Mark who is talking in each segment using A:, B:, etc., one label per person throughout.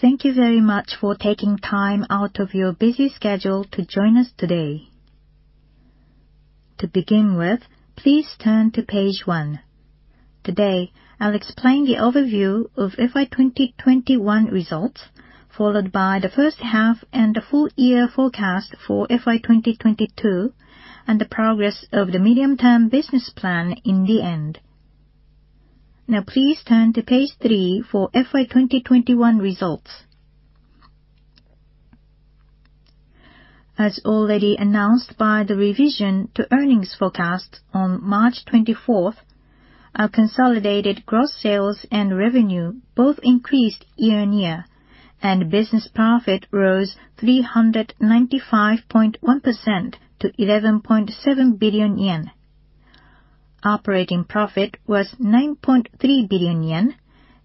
A: Thank you very much for taking time out of your busy schedule to join us today. To begin with, please turn to page one. Today, I'll explain the overview of fiscal year 2021 results, followed by the first half and the full year forecast for fiscal year 2022 and the progress of the medium-term business plan at the end. Now please turn to page three for fiscal year 2021 results. As already announced by the revision to earnings forecast on 24 March 2022, our consolidated gross sales and revenue both increased year-over-year, and business profit rose 395.1% to 11.7 billion yen. Operating profit was 9.3 billion yen,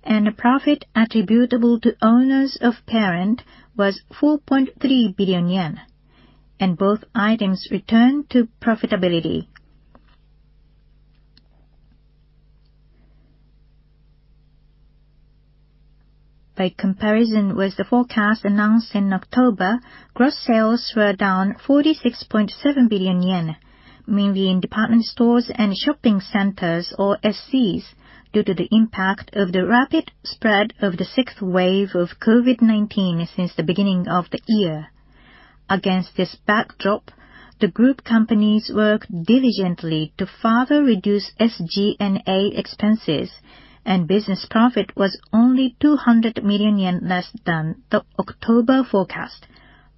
A: and the profit attributable to owners of parent was 4.3 billion yen, and both items returned to profitability. By comparison with the forecast announced in October, gross sales were down 46.7 billion yen, mainly in department stores and shopping centers, or SCs, due to the impact of the rapid spread of the sixth wave of COVID-19 since the beginning of the year. Against this backdrop, the group companies worked diligently to further reduce SG&A expenses, and business profit was only 200 million yen less than the October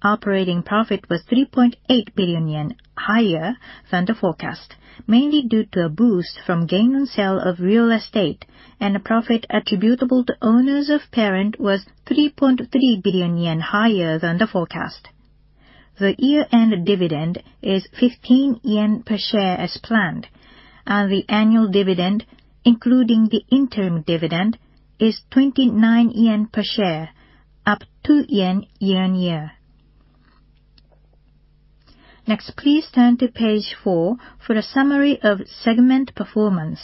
A: forecast. Operating profit was 3.8 billion yen higher than the forecast, mainly due to a boost from gain on sale of real estate, and the profit attributable to owners of parent was 3.3 billion yen higher than the forecast. The year-end dividend is 15 yen per share as planned, and the annual dividend, including the interim dividend, is 29 yen per share, up 2 billion yen year-on-year. Next, please turn to page four for a summary of segment performance.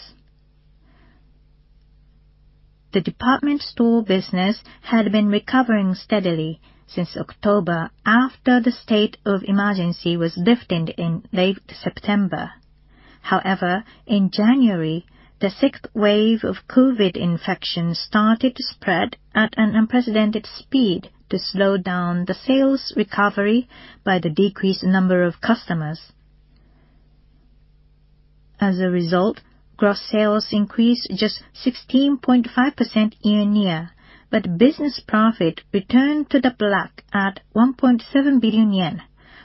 A: The department store business had been recovering steadily since October, after the state of emergency was lifted in late September. However, in January, the sixth wave of COVID infection started to spread at an unprecedented speed to slow down the sales recovery by the decreased number of customers. As a result, gross sales increased just 16.5% year-on-year, but business profit returned to the black at 1.7 billion yen,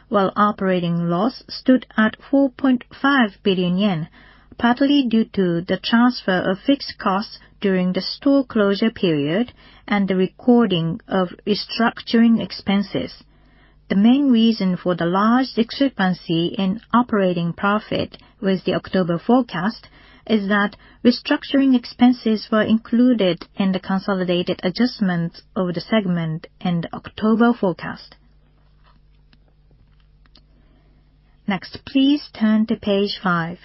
A: while operating loss stood at 4.5 billion yen, partly due to the transfer of fixed costs during the store closure period and the recording of restructuring expenses. The main reason for the large discrepancy in operating profit with the October forecast is that restructuring expenses were included in the consolidated adjustments of the segment in the October forecast. Next, please turn to page five.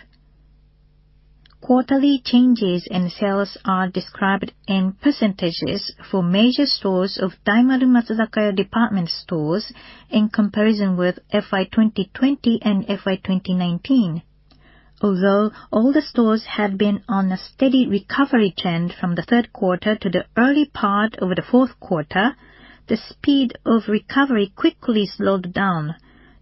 A: Quarterly changes in sales are described in percentages for major stores of Daimaru Matsuzakaya Department Stores in comparison with fiscal year 2020 and fiscal year 2019. Although all the stores had been on a steady recovery trend from the third quarter to the early part of the fourth quarter, the speed of recovery quickly slowed down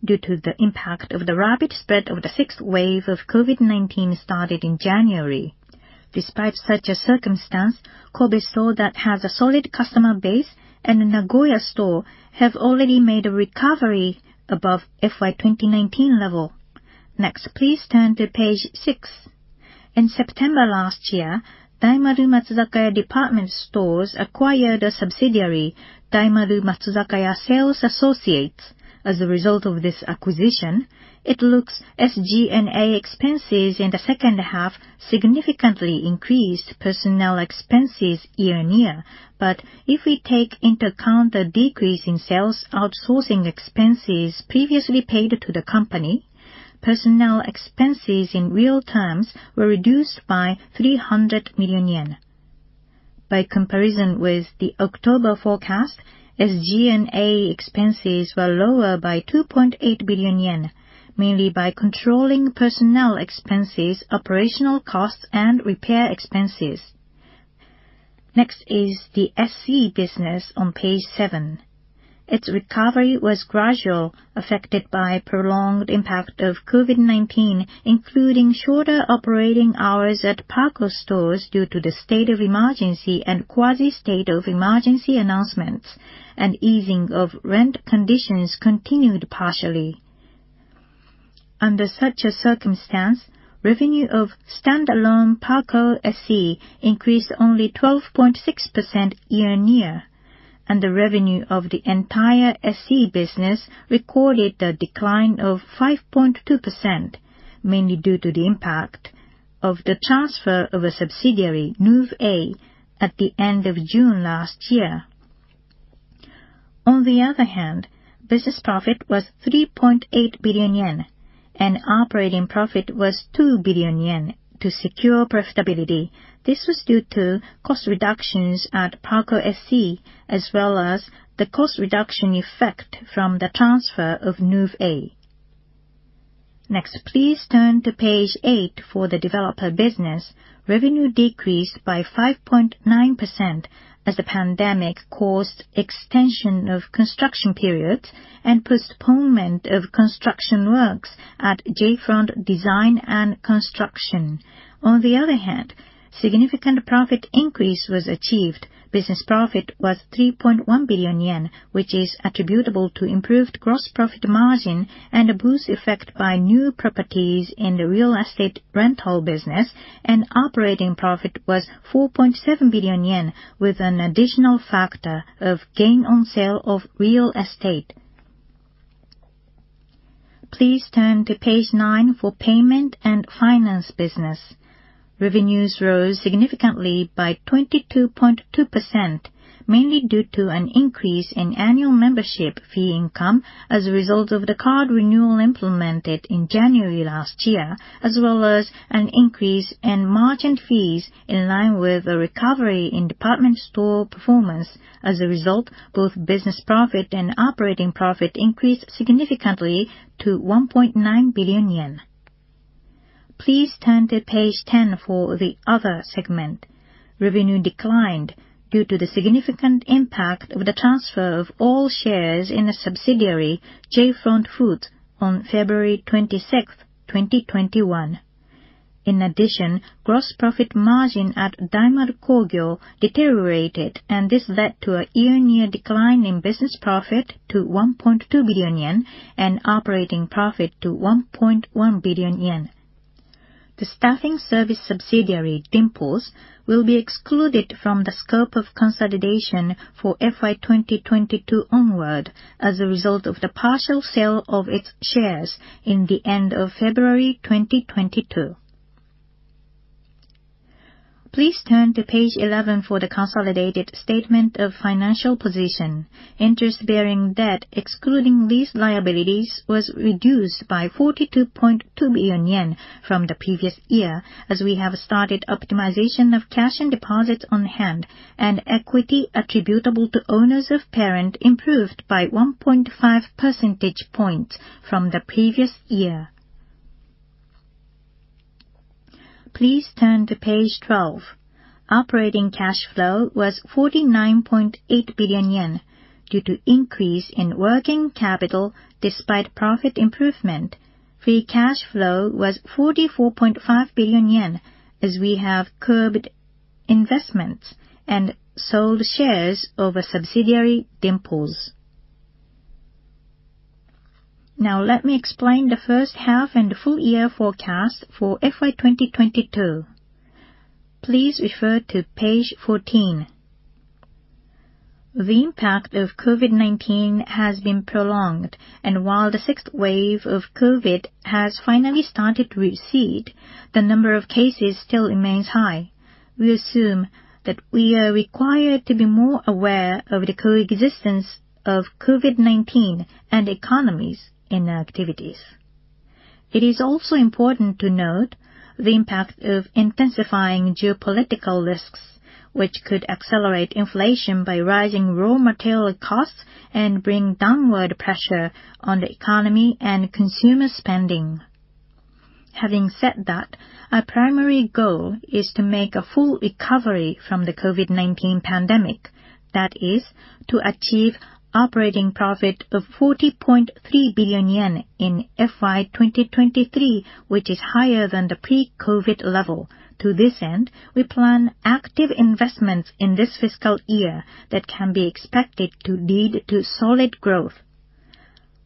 A: due to the impact of the rapid spread of the sixth wave of COVID-19 started in January. Despite such a circumstance, Kobe Store that has a solid customer base and the Nagoya Store have already made a recovery above fiscal year 2019 level. Next, please turn to page six. In September last year, Daimaru Matsuzakaya Department Stores acquired a subsidiary, Daimaru Matsuzakaya Sales Associates. As a result of this acquisition, it looks like SG&A expenses in the second half significantly increased, personnel expenses year-on-year. If we take into account the decrease in sales outsourcing expenses previously paid to the company, personnel expenses in real terms were reduced by 300 million yen. By comparison with the October forecast, SG&A expenses were lower by 2.8 billion yen, mainly by controlling personnel expenses, operational costs and repair expenses. Next is the SC business on page seven. Its recovery was gradual, affected by prolonged impact of COVID-19, including shorter operating hours at PARCO stores due to the state of emergency and quasi state of emergency announcements, and easing of rent conditions continued partially. Under such a circumstance, revenue of standalone PARCO SC increased only 12.6% year-over-year, and the revenue of the entire SC business recorded a decline of 5.2%, mainly due to the impact of the transfer of a subsidiary, Neuve A, at the end of June last year. On the other hand, business profit was 3.8 billion yen and operating profit was 2 billion yen to secure profitability. This was due to cost reductions at PARCO SC, as well as the cost reduction effect from the transfer of Neuve A. Next, please turn to page eight for the developer business. Revenue decreased by 5.9% as the pandemic caused extension of construction periods and postponement of construction works at J. Front Design & Construction. On the other hand, significant profit increase was achieved. Business profit was 3.1 billion yen, which is attributable to improved gross profit margin and a boost effect by new properties in the real estate rental business, and operating profit was 4.7 billion yen with an additional factor of gain on sale of real estate. Please turn to page nine for payment and finance business. Revenues rose significantly by 22.2%, mainly due to an increase in annual membership fee income as a result of the card renewal implemented in January last year, as well as an increase in merchant fees in line with a recovery in department store performance. As a result, both business profit and operating profit increased significantly to 1.9 billion yen. Please turn to page 10 for the other segment. Revenue declined due to the significant impact of the transfer of all shares in a subsidiary, J. Front Foods, on 26 February 2021. In addition, gross profit margin at Daimaru Kogyo deteriorated, and this led to a year-on-year decline in business profit to 1.2 billion yen and operating profit to 1.1 billion yen. The staffing service subsidiary, Dimples, will be excluded from the scope of consolidation for fiscal year 2022 onward as a result of the partial sale of its shares in the end of February 2022. Please turn to page 11 for the consolidated statement of financial position. Interest-bearing debt, excluding lease liabilities, was reduced by 42.2 billion yen from the previous year, as we have started optimization of cash and deposits on hand and equity attributable to owners of parent improved by 1.5 percentage points from the previous year. Please turn to page 12. Operating cash flow was 49.8 billion yen due to increase in working capital despite profit improvement. Free cash flow was 44.5 billion yen as we have curbed investments and sold shares of a subsidiary, Dimples'. Now let me explain the first half and full year forecast for fiscal year 2022. Please refer to page 14. The impact of COVID-19 has been prolonged, and while the sixth wave of COVID has finally started to recede, the number of cases still remains high. We assume that we are required to be more aware of the coexistence of COVID-19 and economies in our activities. It is also important to note the impact of intensifying geopolitical risks, which could accelerate inflation by rising raw material costs and bring downward pressure on the economy and consumer spending. Having said that, our primary goal is to make a full recovery from the COVID-19 pandemic. That is to achieve operating profit of 40.3 billion yen in fiscal year 2023, which is higher than the pre-COVID level. To this end, we plan active investments in this fiscal year that can be expected to lead to solid growth.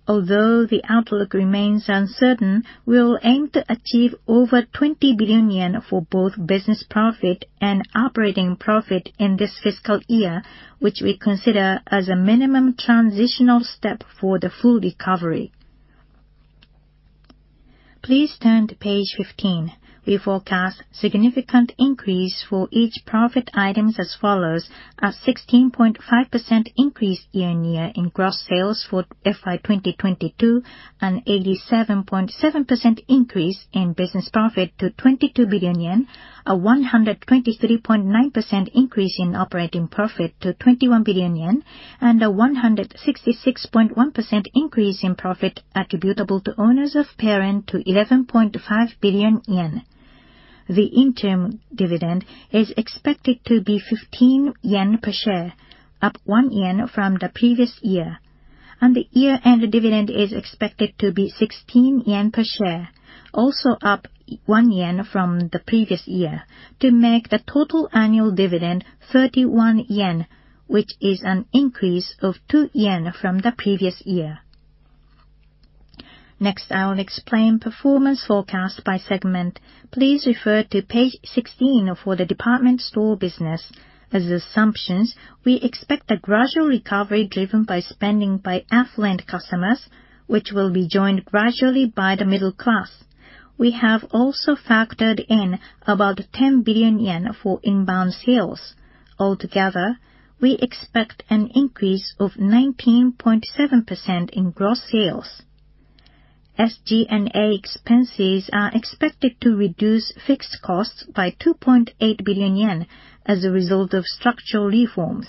A: Although the outlook remains uncertain, we will aim to achieve over 20 billion yen for both business profit and operating profit in this fiscal year, which we consider as a minimum transitional step for the full recovery. Please turn to page 15. We forecast significant increase for each profit items as follows. A 16.5% increase year-on-year in gross sales for fiscal year 2022, an 87.7% increase in business profit to 22 billion yen, a 123.9% increase in operating profit to 21 billion yen, and a 166.1% increase in profit attributable to owners of parent to 11.5 billion yen. The interim dividend is expected to be 15 yen per share, up 1 yen from the previous year, and the year-end dividend is expected to be 16 yen per share, also up 1 yen from the previous year, to make the total annual dividend 31 yen, which is an increase of 2 yen from the previous year. Next, I will explain performance forecast by segment. Please refer to page 16 for the department store business. As assumptions, we expect a gradual recovery driven by spending by affluent customers, which will be joined gradually by the middle class. We have also factored in about 10 billion yen for inbound sales. Altogether, we expect an increase of 19.7% in gross sales. SG&A expenses are expected to reduce fixed costs by 2.8 billion yen as a result of structural reforms.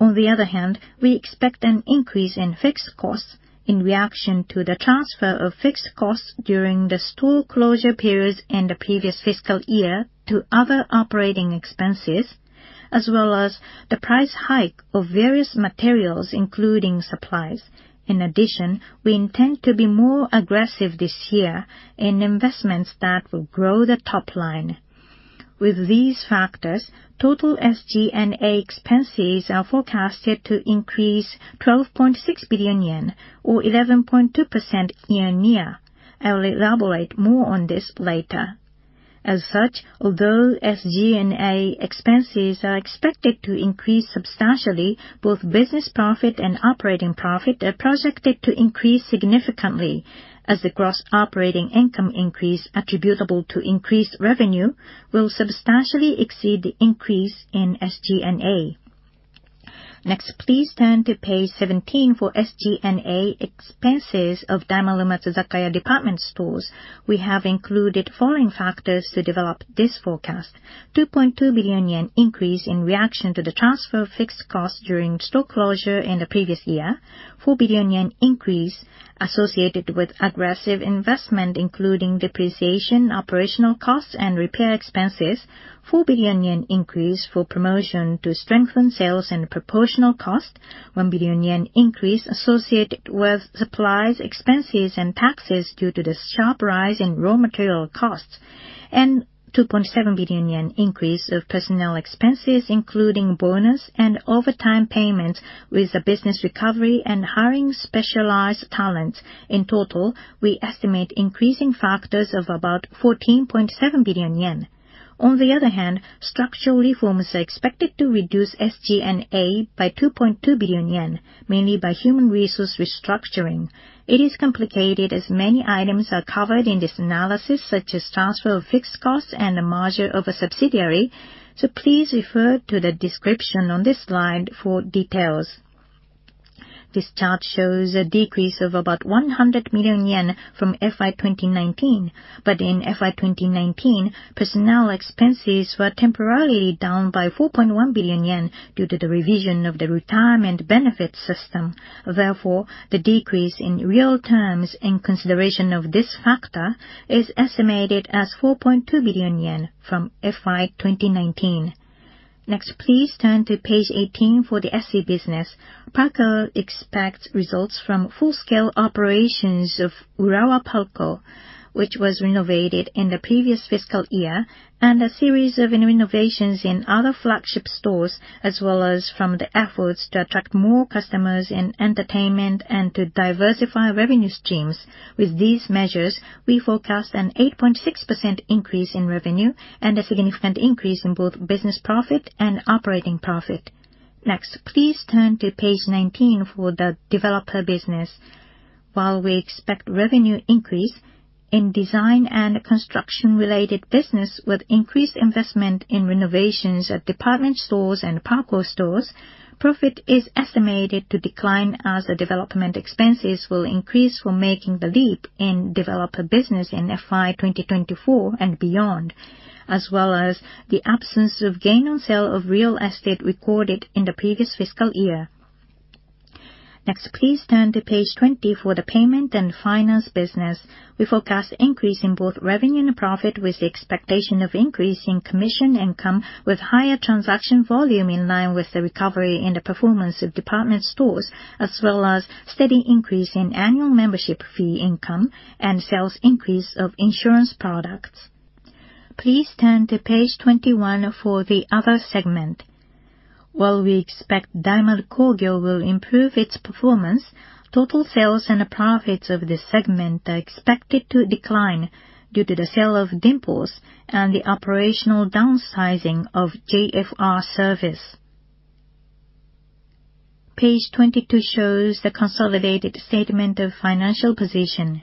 A: On the other hand, we expect an increase in fixed costs in reaction to the transfer of fixed costs during the store closure periods in the previous fiscal year to other operating expenses, as well as the price hike of various materials, including supplies. In addition, we intend to be more aggressive this year in investments that will grow the top line. With these factors, total SG&A expenses are forecasted to increase 12.6 billion yen or 11.2% year-on-year. I'll elaborate more on this later. As such, although SG&A expenses are expected to increase substantially, both business profit and operating profit are projected to increase significantly as the gross operating income increase attributable to increased revenue will substantially exceed the increase in SG&A. Next, please turn to page 17 for SG&A expenses of Daimaru Matsuzakaya Department Stores. We have included following factors to develop this forecast. 2.2 billion yen increase in reaction to the transfer of fixed costs during store closure in the previous year. 4 billion yen increase associated with aggressive investment, including depreciation, operational costs, and repair expenses. 4 billion yen increase for promotion to strengthen sales and proportional cost. 1 billion yen increase associated with supplies, expenses, and taxes due to the sharp rise in raw material costs. 2.7 billion yen Increase of personnel expenses, including bonus and overtime payments with the business recovery and hiring specialized talent. In total, we estimate increasing factors of about 14.7 billion yen. On the other hand, structural reforms are expected to reduce SG&A by 2.2 billion yen, mainly by human resource restructuring. It is complicated as many items are covered in this analysis, such as transfer of fixed costs and the merger of a subsidiary, so please refer to the description on this slide for details. This chart shows a decrease of about 100 million yen from fiscal year 2019, but in fiscal year 2019, personnel expenses were temporarily down by 4.1 billion yen due to the revision of the retirement benefits system. Therefore, the decrease in real terms in consideration of this factor is estimated as 4.2 billion yen From fiscal year 2019. Next, please turn to page 18 for the SC business. PARCO expects results from full-scale operations of Urawa PARCO, which was renovated in the previous fiscal year, and a series of renovations in other flagship stores, as well as from the efforts to attract more customers in entertainment and to diversify revenue streams. With these measures, we forecast an 8.6% increase in revenue and a significant increase in both business profit and operating profit. Next, please turn to page 19 for the developer business. While we expect revenue increase in design and construction-related business with increased investment in renovations at department stores and PARCO stores, profit is estimated to decline as the development expenses will increase for making the leap in developer business in fiscal year 2024 and beyond, as well as the absence of gain on sale of real estate recorded in the previous fiscal year. Next, please turn to page 20 for the payment and finance business. We forecast increase in both revenue and profit with the expectation of increase in commission income with higher transaction volume in line with the recovery in the performance of department stores, as well as steady increase in annual membership fee income and sales increase of insurance products. Please turn to page 21 for the other segment. While we expect Daimaru Kogyo will improve its performance, total sales and profits of this segment are expected to decline due to the sale of Dimples and the operational downsizing of JFR Service. Page 22 shows the consolidated statement of financial position.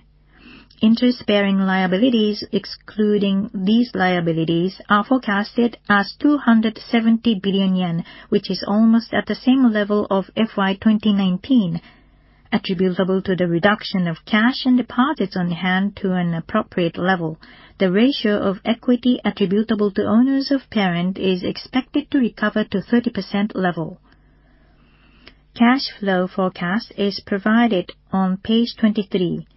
A: Interest-bearing liabilities, excluding these liabilities, are forecasted as 270 billion yen, which is almost at the same level of fiscal year 2019. Attributable to the reduction of cash and deposits on hand to an appropriate level, the ratio of equity attributable to owners of parent is expected to recover to 30% level. Cash flow forecast is provided on page 23.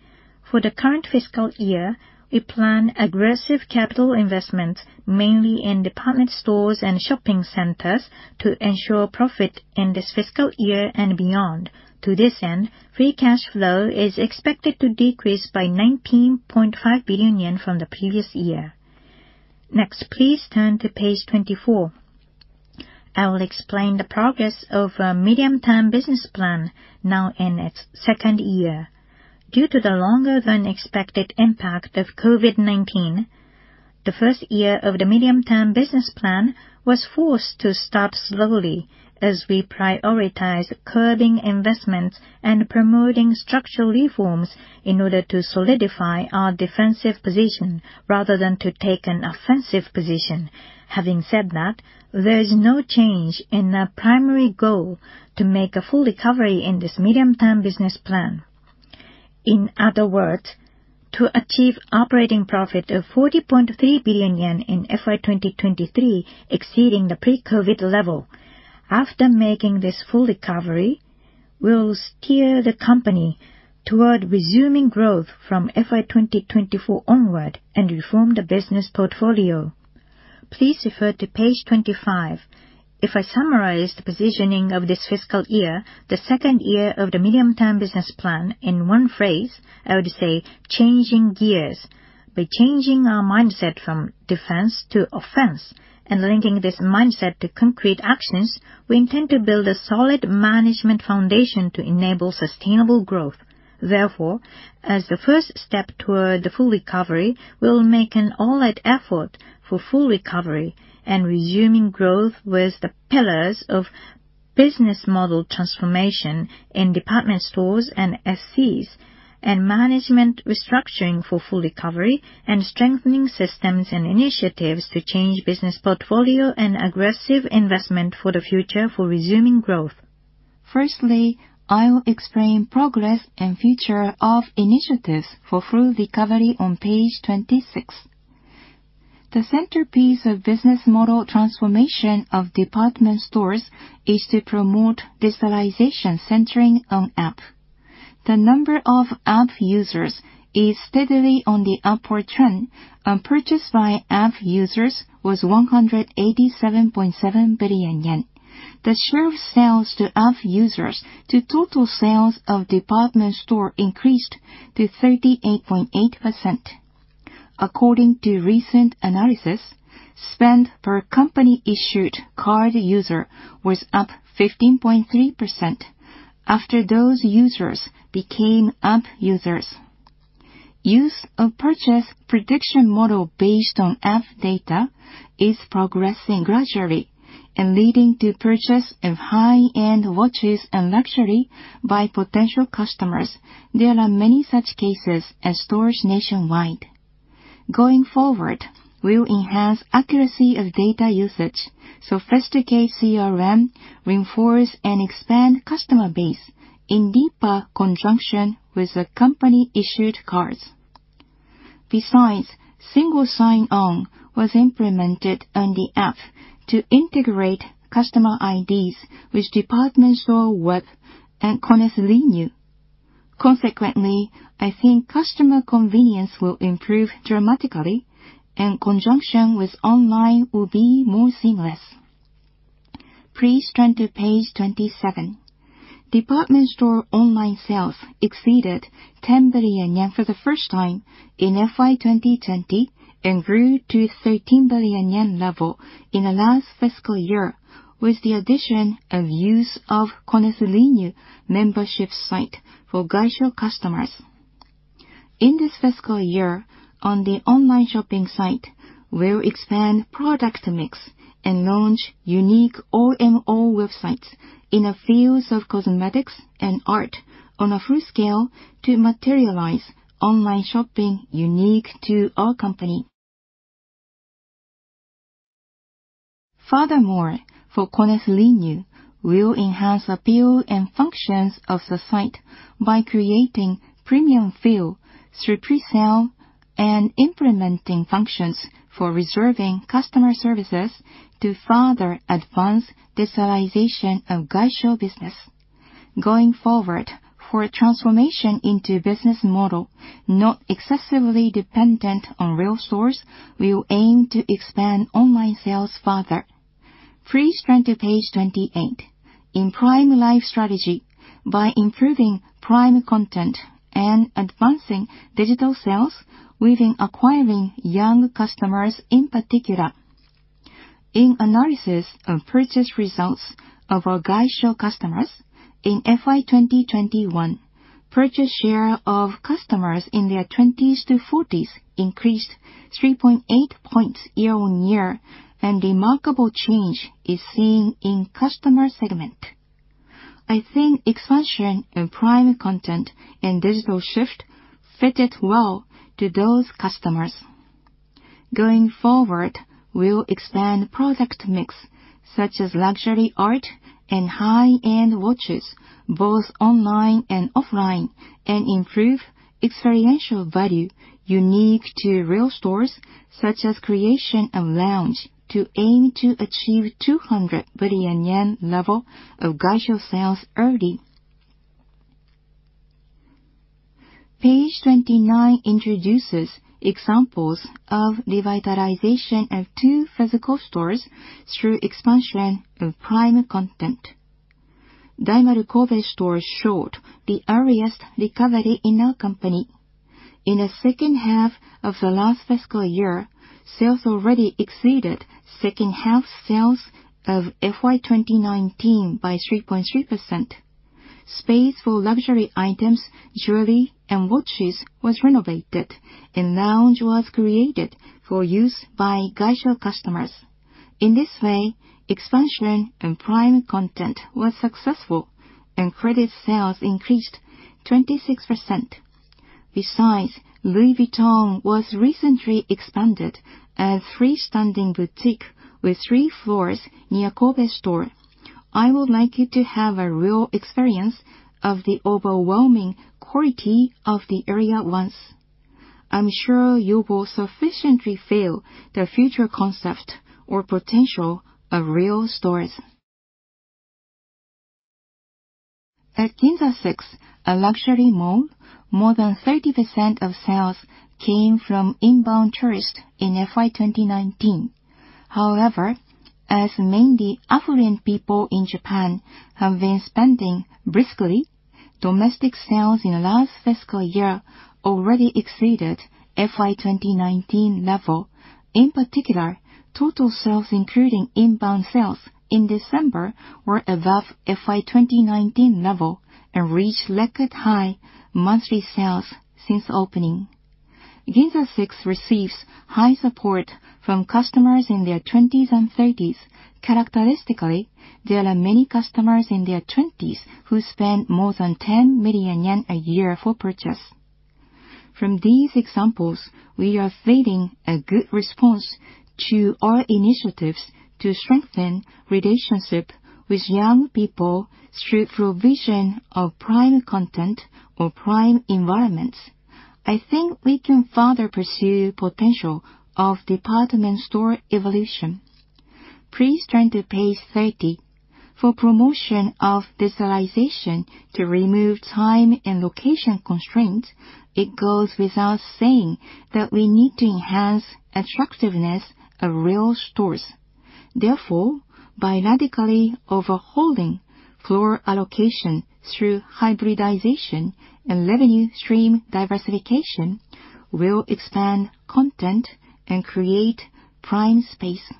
A: For the current fiscal year, we plan aggressive capital investments, mainly in department stores and shopping centers, to ensure profit in this fiscal year and beyond. To this end, free cash flow is expected to decrease by 19.5 billion yen from the previous year. Next, please turn to page 24. I will explain the progress of our medium-term business plan now in its second year. Due to the longer than expected impact of COVID-19, the first year of the medium-term business plan was forced to start slowly as we prioritize curbing investments and promoting structural reforms in order to solidify our defensive position rather than to take an offensive position. Having said that, there is no change in our primary goal to make a full recovery in this medium-term business plan. In other words, to achieve operating profit of 40.3 billion yen in fiscal year 2023, exceeding the pre-COVID level. After making this full recovery, we'll steer the company toward resuming growth from fiscal year 2024 onward and reform the business portfolio. Please refer to page 25. If I summarize the positioning of this fiscal year, the second year of the medium-term business plan in one phrase, I would say changing gears. By changing our mindset from defense to offense and linking this mindset to concrete actions, we intend to build a solid management foundation to enable sustainable growth. Therefore, as the first step toward the full recovery, we'll make an all-out effort for full recovery and resuming growth with the pillars of business model transformation in department stores and SCs, and management restructuring for full recovery, and strengthening systems and initiatives to change business portfolio and aggressive investment for the future for resuming growth. Firstly, I'll explain progress and future of initiatives for full recovery on page 26. The centerpiece of business model transformation of department stores is to promote digitalization centering on app. The number of app users is steadily on the upward trend, and purchase by app users was 187.7 billion yen. The share of sales to app users to total sales of department store increased to 38.8%. According to recent analysis, spend per company-issued card user was up 15.3% after those users became app users. Use of purchase prediction model based on app data is progressing gradually and leading to purchase of high-end watches and luxury by potential customers. There are many such cases at stores nationwide. Going forward, we will enhance accuracy of data usage, sophisticated CRM, reinforce and expand customer base in deeper conjunction with the company-issued cards. Besides, single sign-on was implemented on the app to integrate customer IDs with department store web and CONNESU RENEW. Consequently, I think customer convenience will improve dramatically and conjunction with online will be more seamless. Please turn to page 27. Department store online sales exceeded 10 billion yen for the first time in fiscal year 2020 and grew to 13 billion yen level in the last fiscal year with the addition of use of CONNESU RENEW membership site for Gaisho customers. In this fiscal year, on the online shopping site, we'll expand product mix and launch unique OMO websites in the fields of cosmetics and art on a full scale to materialize online shopping unique to our company. Furthermore, for CONNESU RENEW, we'll enhance appeal and functions of the site by creating premium feel through presale and implementing functions for reserving customer services to further advance digitalization of Gaisho business. Going forward, for transformation into business model not excessively dependent on real stores, we will aim to expand online sales further. Please turn to page 28. In Prime Life Strategy, by improving prime content and advancing digital sales, we've been acquiring young customers in particular. In analysis of purchase results of our Gaisho customers in fiscal year 2021, purchase share of customers in their 20s to 40s increased 3.8 points year-on-year, and remarkable change is seen in customer segment. I think expansion of prime content and digital shift fitted well to those customers. Going forward, we'll expand product mix such as luxury art and high-end watches, both online and offline, and improve experiential value unique to real stores such as creation of lounge to aim to achieve 200 billion yen level of Gaisho sales early. Page 29 introduces examples of revitalization of two physical stores through expansion of prime content. Daimaru Kobe store showed the earliest recovery in our company. In the second half of the last fiscal year, sales already exceeded second half sales of fiscal year 2019 by 3.3%. Space for luxury items, jewelry, and watches was renovated and lounge was created for use by Gaisho customers. In this way, expansion and prime content was successful and credit sales increased 26%. Besides, Louis Vuitton was recently expanded as freestanding boutique with three floors near Kobe store. I would like you to have a real experience of the overwhelming quality of the area once. I'm sure you will sufficiently feel the future concept or potential of real stores. At Ginza Six, a luxury mall, more than 30% of sales came from inbound tourists in fiscal year 2019. However, as mainly affluent people in Japan have been spending briskly, domestic sales in the last fiscal year already exceeded fiscal year 2019 level. In particular, total sales including inbound sales in December were above fiscal year 2019 level and reached record high monthly sales since opening. Ginza Six receives high support from customers in their 20s and 30s. Characteristically, there are many customers in their 20s who spend more than 10 million yen a year for purchase. From these examples, we are seeing a good response to our initiatives to strengthen relationship with young people through provision of prime content or prime environments. I think we can further pursue potential of department store evolution. Please turn to page 30. For promotion of digitalization to remove time and location constraints, it goes without saying that we need to enhance attractiveness of real stores. Therefore, by radically overhauling floor allocation through hybridization and revenue stream diversification, we'll expand content and create prime space.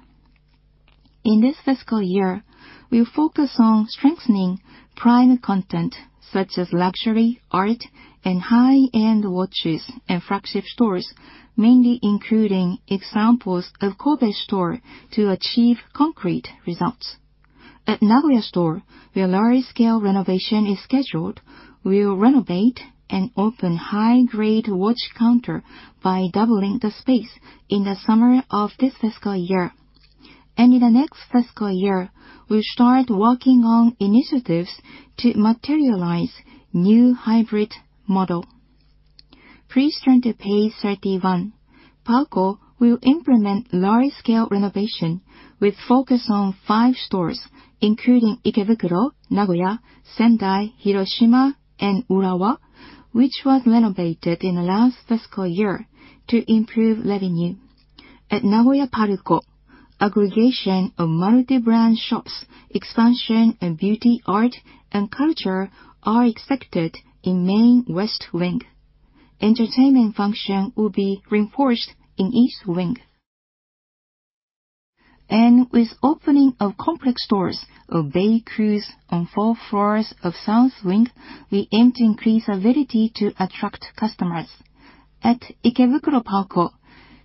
A: In this fiscal year, we focus on strengthening prime content such as luxury, art, and high-end watches and flagship stores, mainly including examples of Kobe store to achieve concrete results. At Nagoya store, where large-scale renovation is scheduled, we will renovate and open high-grade watch counter by doubling the space in the summer of this fiscal year. In the next fiscal year, we'll start working on initiatives to materialize new hybrid model. Please turn to page 31. PARCO will implement large-scale renovation with focus on five stores, including Ikebukuro, Nagoya, Sendai, Hiroshima, and Urawa, which was renovated in the last fiscal year to improve revenue. At Nagoya PARCO, aggregation of multi-brand shops, expansion in beauty, art, and culture are expected in main west wing. Entertainment function will be reinforced in east wing. With opening of complex stores of BAYCREW'S on four floors of south wing, we aim to increase ability to attract customers. At Ikebukuro PARCO,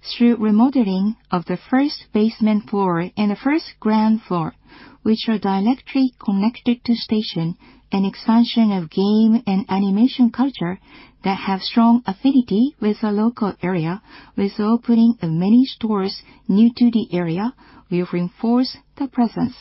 A: through remodeling of the first basement floor and the first ground floor, which are directly connected to station, and expansion of game and animation culture that have strong affinity with the local area, with opening of many stores new to the area, we will reinforce the presence.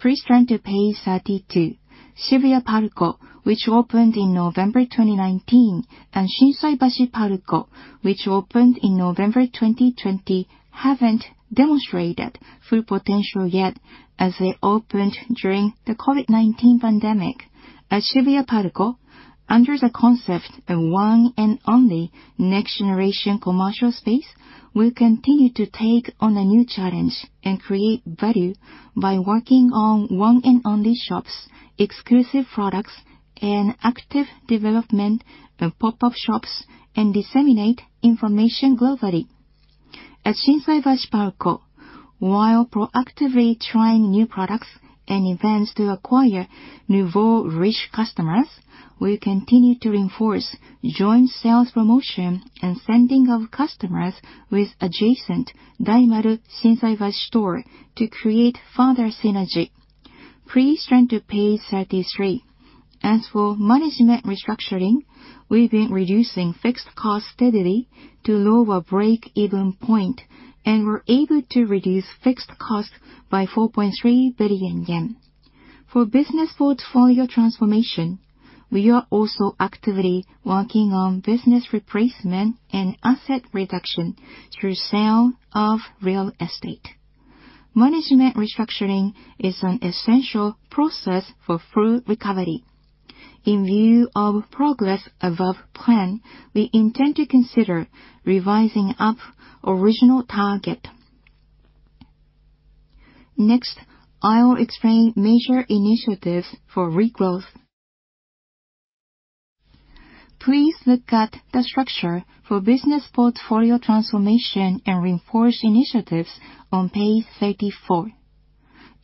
A: Please turn to page 32. Shibuya PARCO, which opened in November 2019, and Shinsaibashi PARCO, which opened in November 2020, haven't demonstrated full potential yet as they opened during the COVID-19 pandemic. At Shibuya PARCO, under the concept of one and only next generation commercial space, we continue to take on a new challenge and create value by working on one and only shops, exclusive products, and active development of pop-up shops, and disseminate information globally. At Shinsaibashi PARCO, while proactively trying new products and events to acquire nouveau riche customers, we continue to reinforce joint sales promotion and sending of customers with adjacent Daimaru Shinsaibashi store to create further synergy. Please turn to page 33. As for management restructuring, we've been reducing fixed costs steadily to lower break-even point, and we're able to reduce fixed costs by 4.3 billion yen. For business portfolio transformation, we are also actively working on business replacement and asset reduction through sale of real estate. Management restructuring is an essential process for full recovery. In view of progress above plan, we intend to consider revising up original target. Next, I will explain major initiatives for regrowth. Please look at the structure for business portfolio transformation and reinforce initiatives on page 34.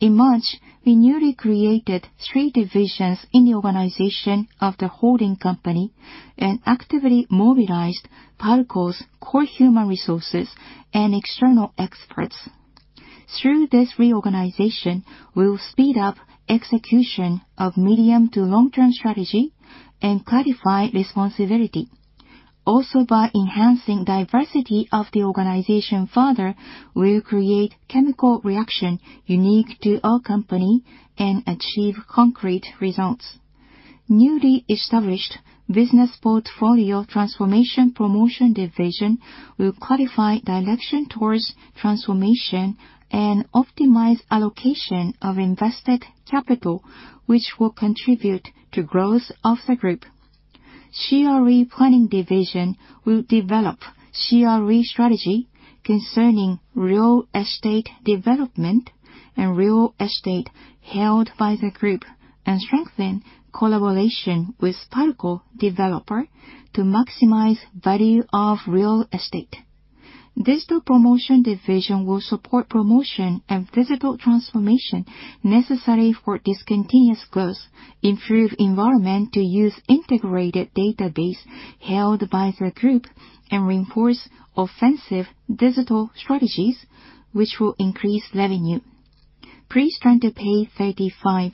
A: In March, we newly created three divisions in the organization of the holding company and actively mobilized PARCO's core human resources and external experts. Through this reorganization, we will speed up execution of medium to long-term strategy and clarify responsibility. Also, by enhancing diversity of the organization further, we will create chemical reaction unique to our company and achieve concrete results. Newly established Business Portfolio Transformation Promotion Division will clarify direction towards transformation and optimize allocation of invested capital, which will contribute to growth of the group. CRE Planning Division will develop CRE strategy concerning real estate development and real estate held by the group and strengthen collaboration with PARCO developer to maximize value of real estate. Digital Promotion Division will support promotion and digital transformation necessary for discontinuous growth, improve environment to use integrated database held by the group and reinforce offensive digital strategies which will increase revenue. Please turn to page 35.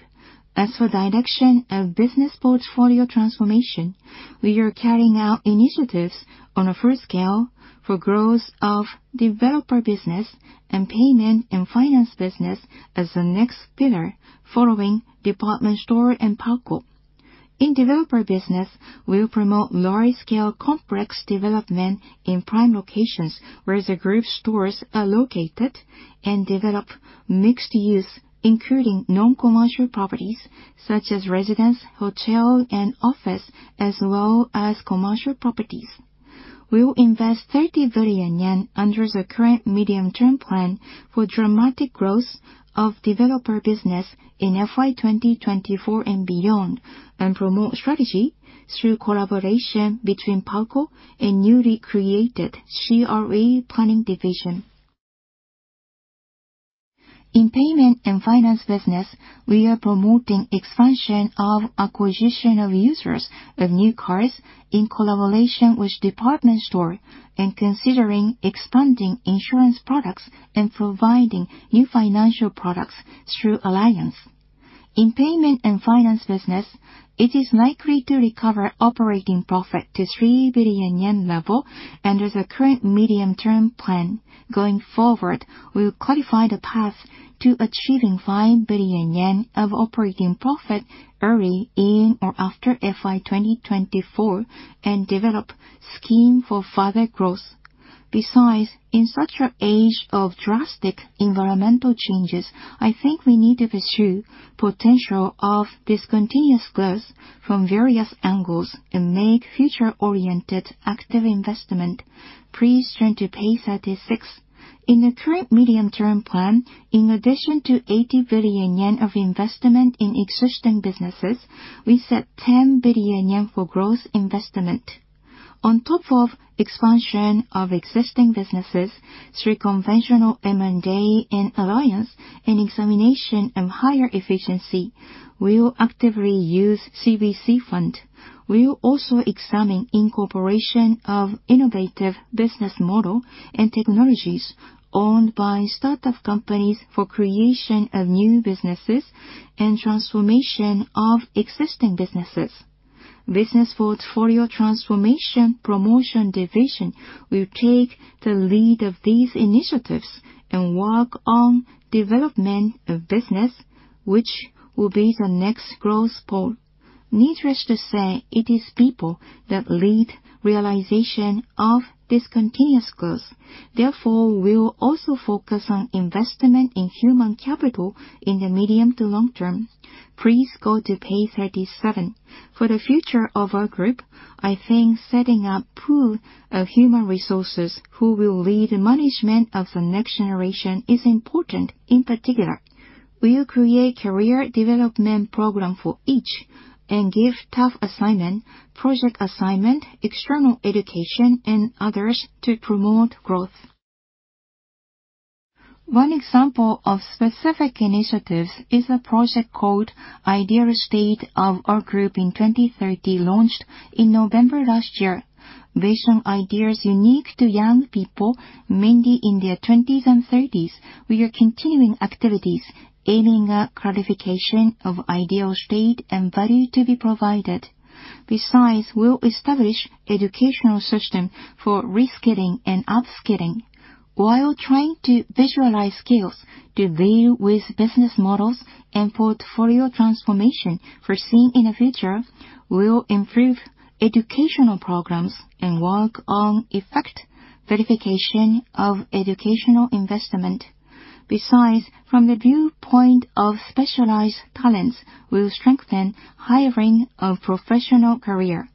A: As for direction of business portfolio transformation, we are carrying out initiatives on a full scale for growth of developer business and payment and finance business as the next pillar following department store and PARCO. In developer business, we'll promote large-scale complex development in prime locations where the group stores are located and develop mixed use, including non-commercial properties such as residence, hotel and office, as well as commercial properties. We will invest 30 billion yen under the current medium-term plan for dramatic growth of developer business in fiscal year 2024 and beyond, and promote strategy through collaboration between PARCO and newly created CRE Planning Division. In payment and finance business, we are promoting expansion of acquisition of users of new cards in collaboration with department store and considering expanding insurance products and providing new financial products through alliance. In payment and finance business, it is likely to recover operating profit to 3 billion yen level under the current medium-term plan. Going forward, we will qualify the path to achieving 5 billion yen of operating profit early in or after fiscal year 2024 and develop scheme for further growth. Besides, in such an age of drastic environmental changes, I think we need to pursue potential of discontinuous growth from various angles and make future-oriented active investment. Please turn to page 36. In the current medium-term plan, in addition to 80 billion yen of investment in existing businesses, we set 10 billion yen for growth investment. On top of expansion of existing businesses through conventional M&A and alliance and examination of higher efficiency, we will actively use CVC fund. We will also examine incorporation of innovative business model and technologies owned by startup companies for creation of new businesses and transformation of existing businesses. Business Portfolio Transformation Promotion Division will take the lead of these initiatives and work on development of business, which will be the next growth pole. Needless to say, it is people that lead realization of discontinuous growth. Therefore, we will also focus on investment in human capital in the medium to long term. Please go to page 37. For the future of our group, I think setting up pool of human resources who will lead management of the next generation is important in particular. We will create career development program for each and give tough assignment, project assignment, external education and others to promote growth. One example of specific initiatives is a project called Ideal State of Our Group in 2030 launched in November last year. Based on ideas unique to young people, mainly in their 20s and 30s, we are continuing activities aiming at clarification of ideal state and value to be provided. We'll establish educational system for reskilling and upskilling. While trying to visualize skills to deal with business models and portfolio transformation foreseen in the future, we will improve educational programs and work on effect verification of educational investment. From the viewpoint of specialized talents, we will strengthen hiring of professional career.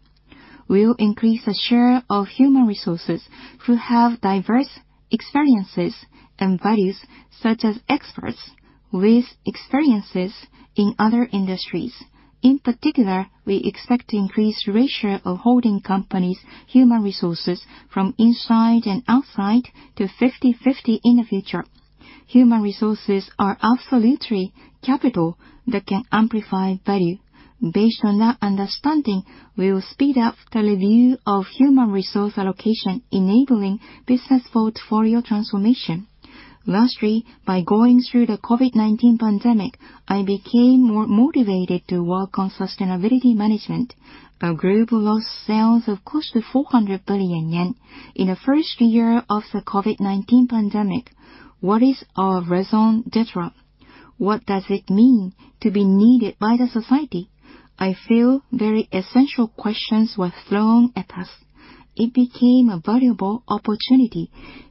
A: We will increase the share of human resources who have diverse experiences and values, such as experts with experiences in other industries. In particular, we expect increased ratio of holding company's human resources from inside and outside to 50/50 in the future. Human resources are absolutely capital that can amplify value. Based on that understanding, we will speed up the review of human resource allocation, enabling business portfolio transformation. Lastly, by going through the COVID-19 pandemic, I became more motivated to work on sustainability management. Our group lost sales of close to 400 billion yen in the first year of the COVID-19 pandemic. What is our raison d'être? What does it mean to be needed by the society? I feel very essential questions were thrown at us. It became a valuable opportunity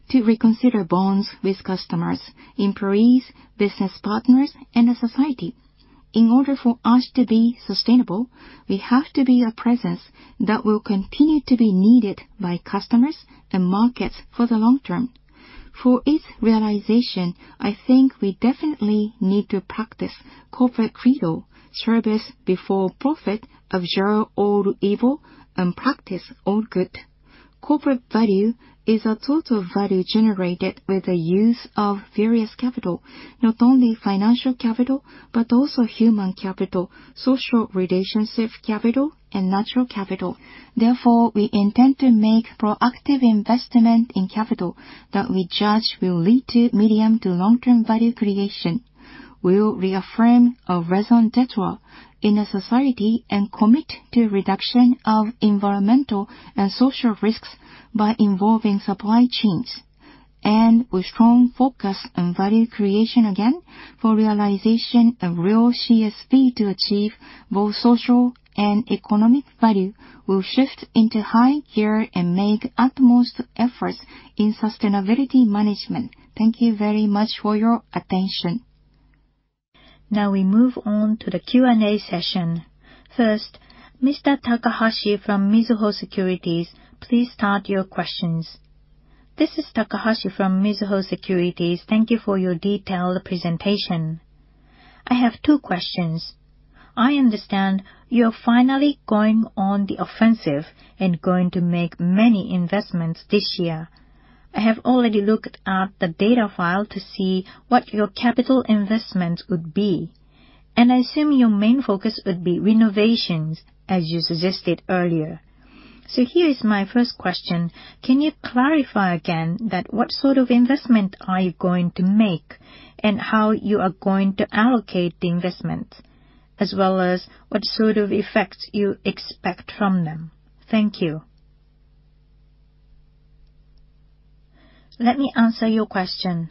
A: to reconsider bonds with customers, employees, business partners, and the society. In order for us to be sustainable, we have to be a presence that will continue to be needed by customers and markets for the long term. For its realization, I think we definitely need to practice corporate credo, service before profit, observe all evil, and practice all good. Corporate value is a total value generated with the use of various capital, not only financial capital, but also human capital, social relationship capital, and natural capital. Therefore, we intend to make proactive investment in capital that we judge will lead to medium to long-term value creation. We will reaffirm our raison d'être in a society and commit to reduction of environmental and social risks by involving supply chains. With strong focus on value creation again for realization of real CSV to achieve both social and economic value, we'll shift into high gear and make utmost efforts in sustainability management. Thank you very much for your attention. Now we move on to the Q&A session.
B: First, Mr. Takahashi from Mizuho Securities, please start your questions.
C: This is Takahashi from Mizuho Securities. Thank you for your detailed presentation. I have two questions. I understand you're finally going on the offensive and going to make many investments this year. I have already looked at the data file to see what your capital investments would be, and I assume your main focus would be renovations, as you suggested earlier. Here is my first question. Can you clarify again that what sort of investment are you going to make and how you are going to allocate the investments, as well as what sort of effects you expect from them? Thank you.
A: Let me answer your question.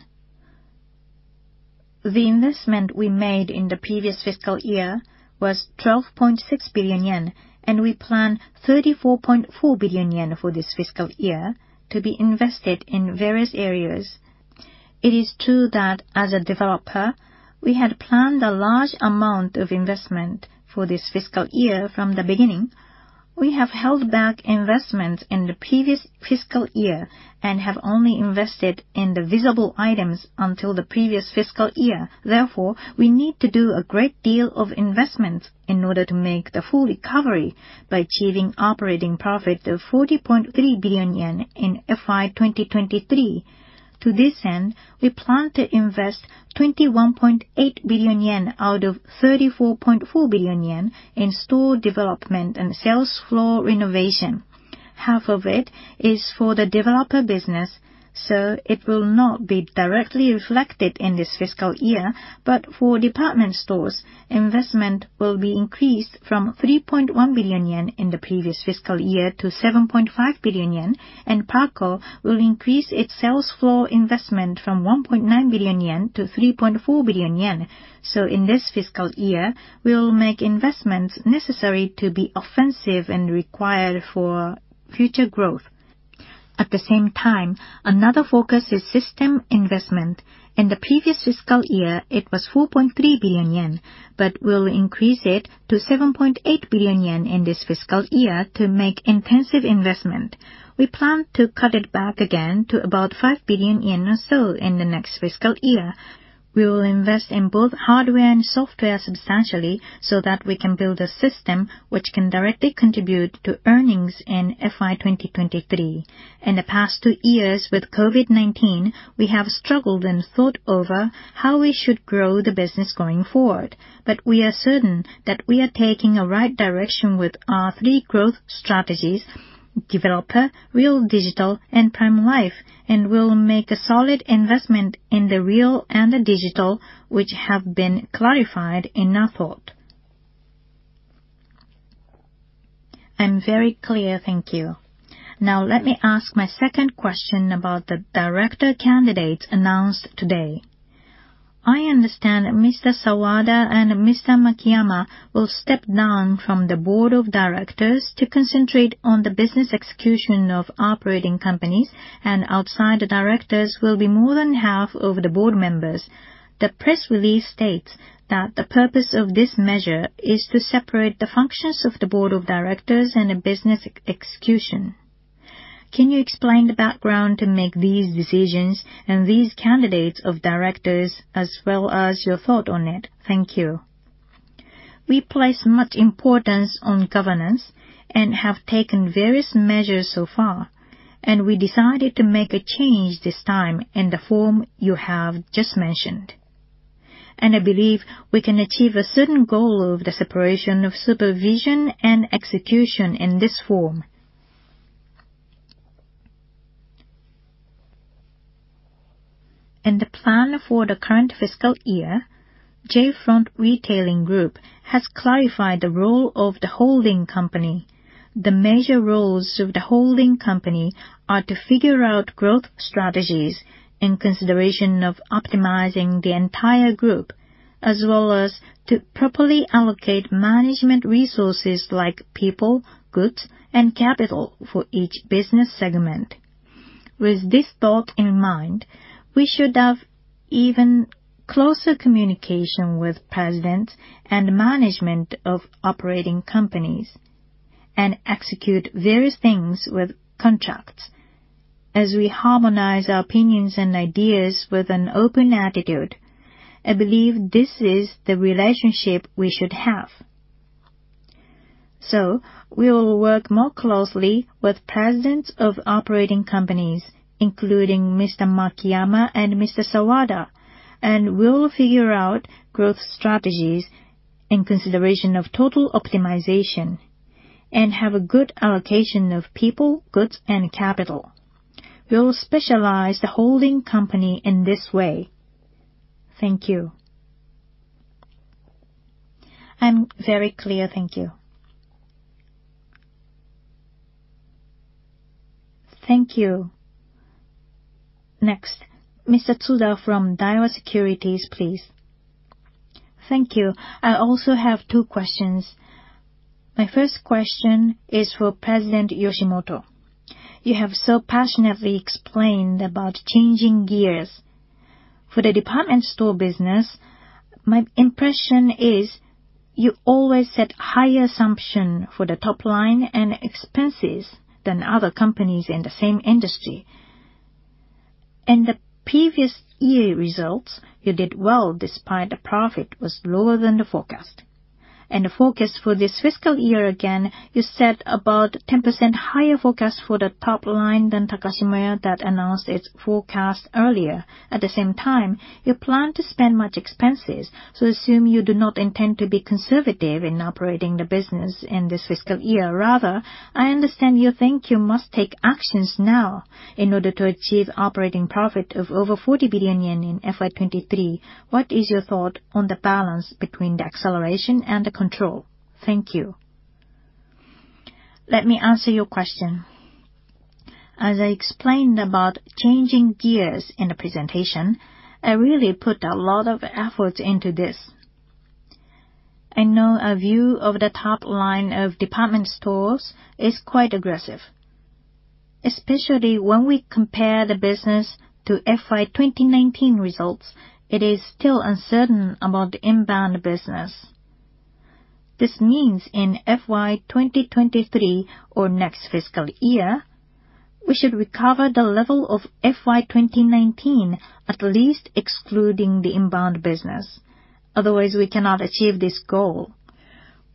A: The investment we made in the previous fiscal year was 12.6 billion yen, and we plan 34.4 billion yen for this fiscal year to be invested in various areas. It is true that as a developer, we had planned a large amount of investment for this fiscal year from the beginning. We have held back investments in the previous fiscal year and have only invested in the visible items until the previous fiscal year. Therefore, we need to do a great deal of investments in order to make the full recovery by achieving operating profit of 40.3 billion yen in fiscal year 2023. To this end, we plan to invest 21.8 billion yen out of 34.4 billion yen in store development and sales floor renovation. Half of it is for the developer business, so it will not be directly reflected in this fiscal year. For department stores, investment will be increased from 3.1 billion yen in the previous fiscal year to 7.5 billion yen, and PARCO will increase its sales floor investment from 1.9 to 3.4 billion. In this fiscal year, we will make investments necessary to be offensive and required for future growth. At the same time, another focus is system investment. In the previous fiscal year, it was 4.3 billion yen, but we'll increase it to 7.8 billion yen in this fiscal year to make intensive investment. We plan to cut it back again to about 5 billion yen or so in the next fiscal year. We will invest in both hardware and software substantially so that we can build a system which can directly contribute to earnings in fiscal year 2023. In the past two years with COVID-19, we have struggled and thought over how we should grow the business going forward. We are certain that we are taking a right direction with our three growth strategies: developer, real digital, and Prime Life, and we'll make a solid investment in the real and the digital, which have been clarified in our thought.
C: Very clear. Thank you. Now let me ask my second question about the director candidates announced today. I understand Mr. Sawada and Mr. Makiyama will step down from the board of directors to concentrate on the business execution of operating companies, and outside directors will be more than half of the board members. The press release states that the purpose of this measure is to separate the functions of the board of directors and the business execution. Can you explain the background to make these decisions and these candidates of directors as well as your thought on it? Thank you.
A: We place much importance on governance and have taken various measures so far, and we decided to make a change this time in the form you have just mentioned. I believe we can achieve a certain goal of the separation of supervision and execution in this form. The plan for the current fiscal year, J. Front Retailing Group has clarified the role of the holding company. The major roles of the holding company are to figure out growth strategies in consideration of optimizing the entire group, as well as to properly allocate management resources like people, goods, and capital for each business segment. With this thought in mind, we should have even closer communication with presidents and management of operating companies and execute various things with contracts. As we harmonize our opinions and ideas with an open attitude, I believe this is the relationship we should have. We will work more closely with presidents of operating companies, including Mr. Makiyama and Mr. Sawada, and we'll figure out growth strategies in consideration of total optimization and have a good allocation of people, goods, and capital. We'll specialize the holding company in this way. Thank you.
C: Very clear. Thank you.
B: Thank you. Next, Mr. Tsuda from Daiwa Securities, please.
D: Thank you. I also have two questions. My first question is for President Yoshimoto. You have so passionately explained about changing gears. For the department store business, my impression is you always set higher assumption for the top line and expenses than other companies in the same industry. In the previous year results, you did well despite the profit was lower than the forecast. The forecast for this fiscal year, again, you set about 10% higher forecast for the top line than Takashimaya that announced its forecast earlier. At the same time, you plan to spend much expenses, so I assume you do not intend to be conservative in operating the business in this fiscal year. Rather, I understand you think you must take actions now in order to achieve operating profit of over 40 billion yen in fiscal year 2023. What is your thought on the balance between the acceleration and the control? Thank you.
A: Let me answer your question. As I explained about changing gears in the presentation, I really put a lot of effort into this. I know a view of the top line of department stores is quite aggressive, especially when we compare the business to fiscal year 2019 results. It is still uncertain about the inbound business. This means in fiscal year 2023 or next fiscal year, we should recover the level of fiscal year 2019 at least excluding the inbound business. Otherwise, we cannot achieve this goal.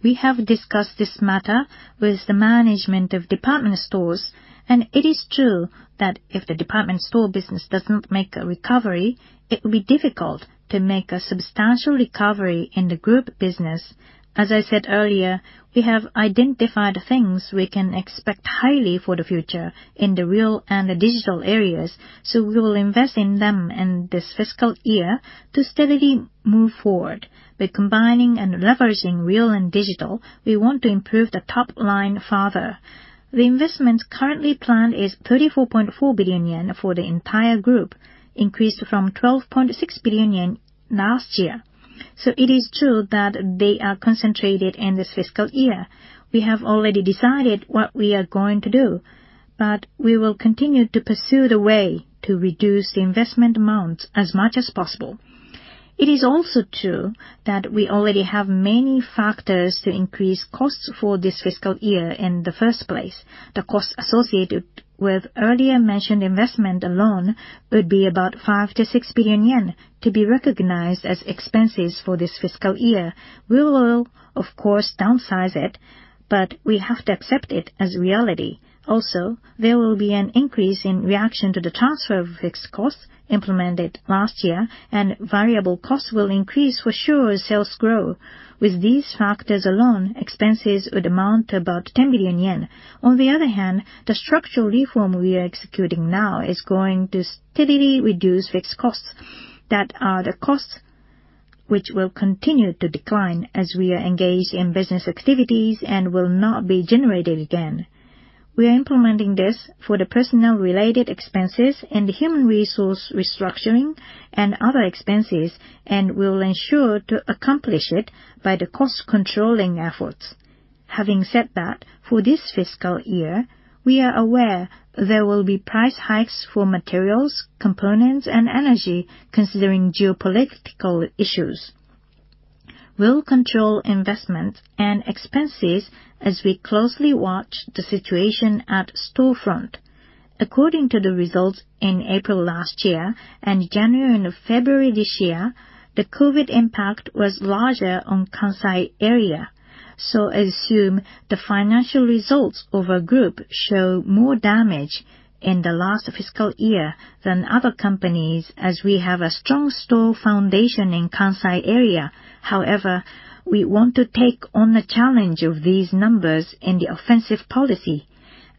A: We have discussed this matter with the management of department stores, and it is true that if the department store business doesn't make a recovery, it will be difficult to make a substantial recovery in the group business. As I said earlier, we have identified the things we can expect highly for the future in the real and the digital areas, so we will invest in them in this fiscal year to steadily move forward. By combining and leveraging real and digital, we want to improve the top line further. The investment currently planned is 34.4 billion yen for the entire group, increased from 12.6 billion yen last year. It is true that they are concentrated in this fiscal year. We have already decided what we are going to do, but we will continue to pursue the way to reduce the investment amounts as much as possible. It is also true that we already have many factors to increase costs for this fiscal year in the first place. The cost associated with earlier mentioned investment alone would be about 5 to 6 billion to be recognized as expenses for this fiscal year. We will, of course, downsize it, but we have to accept it as reality. Also, there will be an increase in reaction to the transfer of fixed costs implemented last year, and variable costs will increase for sure as sales grow. With these factors alone, expenses would amount to about 10 billion yen. On the other hand, the structural reform we are executing now is going to steadily reduce fixed costs that are the costs which will continue to decline as we are engaged in business activities and will not be generated again. We are implementing this for the personnel-related expenses and the human resource restructuring and other expenses, and we will ensure to accomplish it by the cost controlling efforts. Having said that, for this fiscal year, we are aware there will be price hikes for materials, components, and energy considering geopolitical issues. We'll control investments and expenses as we closely watch the situation at storefront. According to the results in April last year and January and February this year, the COVID impact was larger on Kansai area. I assume the financial results of our group show more damage in the last fiscal year than other companies as we have a strong store foundation in Kansai area. However, we want to take on the challenge of these numbers in the offensive policy.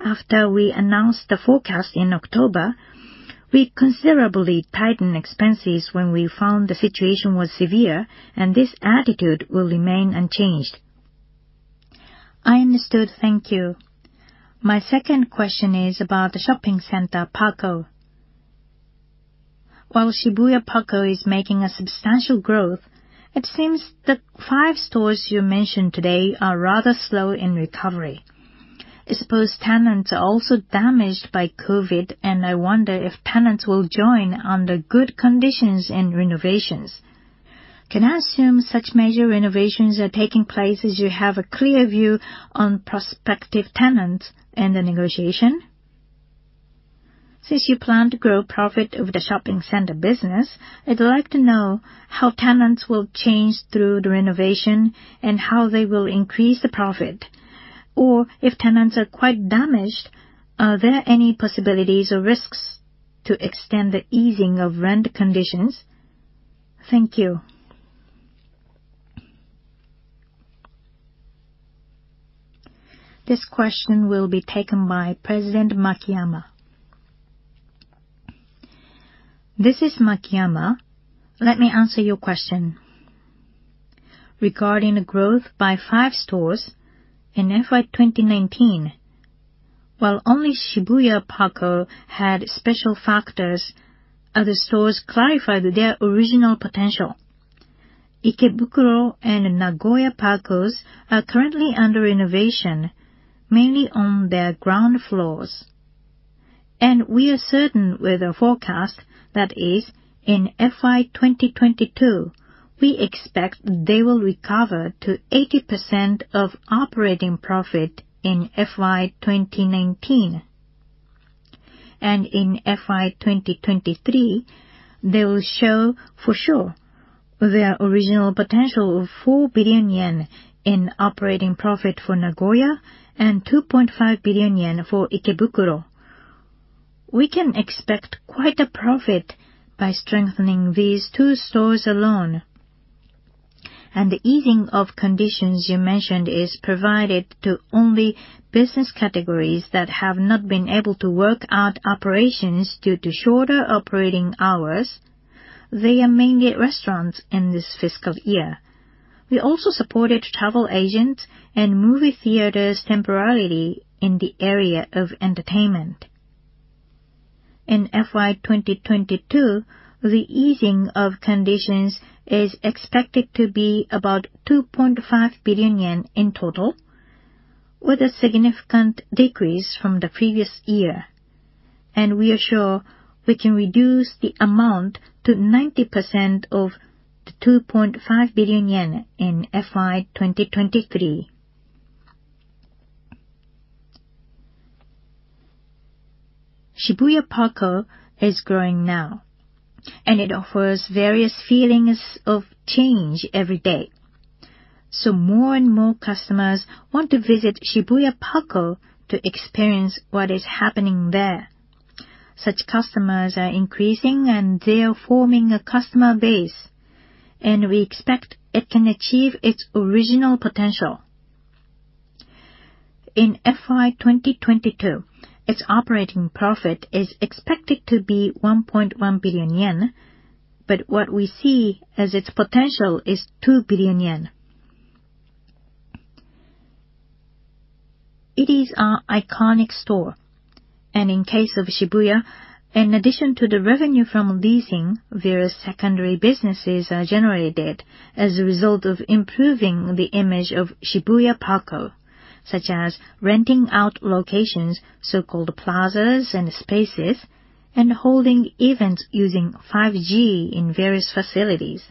A: After we announced the forecast in October. We considerably tightened expenses when we found the situation was severe, and this attitude will remain unchanged.
D: I understood. Thank you. My second question is about the shopping center PARCO. While Shibuya PARCO is making a substantial growth, it seems the five stores you mentioned today are rather slow in recovery. I suppose tenants are also damaged by COVID, and I wonder if tenants will join under good conditions and renovations. Can I assume such major renovations are taking place as you have a clear view on prospective tenants and the negotiation? Since you plan to grow profit of the shopping center business, I'd like to know how tenants will change through the renovation and how they will increase the profit. Or if tenants are quite damaged, are there any possibilities or risks to extend the easing of rent conditions? Thank you.
A: This question will be taken by President Makiyama.
E: This is Makiyama. Let me answer your question. Regarding the growth by five stores in fiscal year 2019, while only Shibuya PARCO had special factors, other stores clarified their original potential. Ikebukuro and Nagoya PARCO are currently under renovation, mainly on their ground floors. We are certain with a forecast that is in fiscal year 2022, we expect they will recover to 80% of operating profit in fiscal year 2019. In fiscal year 2023, they will show for sure their original potential of 4 billion yen in operating profit for Nagoya and 2.5 billion yen for Ikebukuro. We can expect quite a profit by strengthening these two stores alone. The easing of conditions you mentioned is provided to only business categories that have not been able to work out operations due to shorter operating hours. They are mainly restaurants in this fiscal year. We also supported travel agents and movie theaters temporarily in the area of entertainment. In fiscal year 2022, the easing of conditions is expected to be about 2.5 billion yen in total, with a significant decrease from the previous year. We are sure we can reduce the amount to 90% of the 2.5 billion yen in fiscal year 2023. Shibuya PARCO is growing now, and it offers various feelings of change every day. More and more customers want to visit Shibuya PARCO to experience what is happening there. Such customers are increasing, and they are forming a customer base, and we expect it can achieve its original potential. In fiscal year 2022, its operating profit is expected to be 1.1 billion yen, but what we see as its potential is 2 billion yen. It is our iconic store. In case of Shibuya, in addition to the revenue from leasing, various secondary businesses are generated as a result of improving the image of Shibuya PARCO, such as renting out locations, so-called plazas and spaces, and holding events using 5G in various facilities.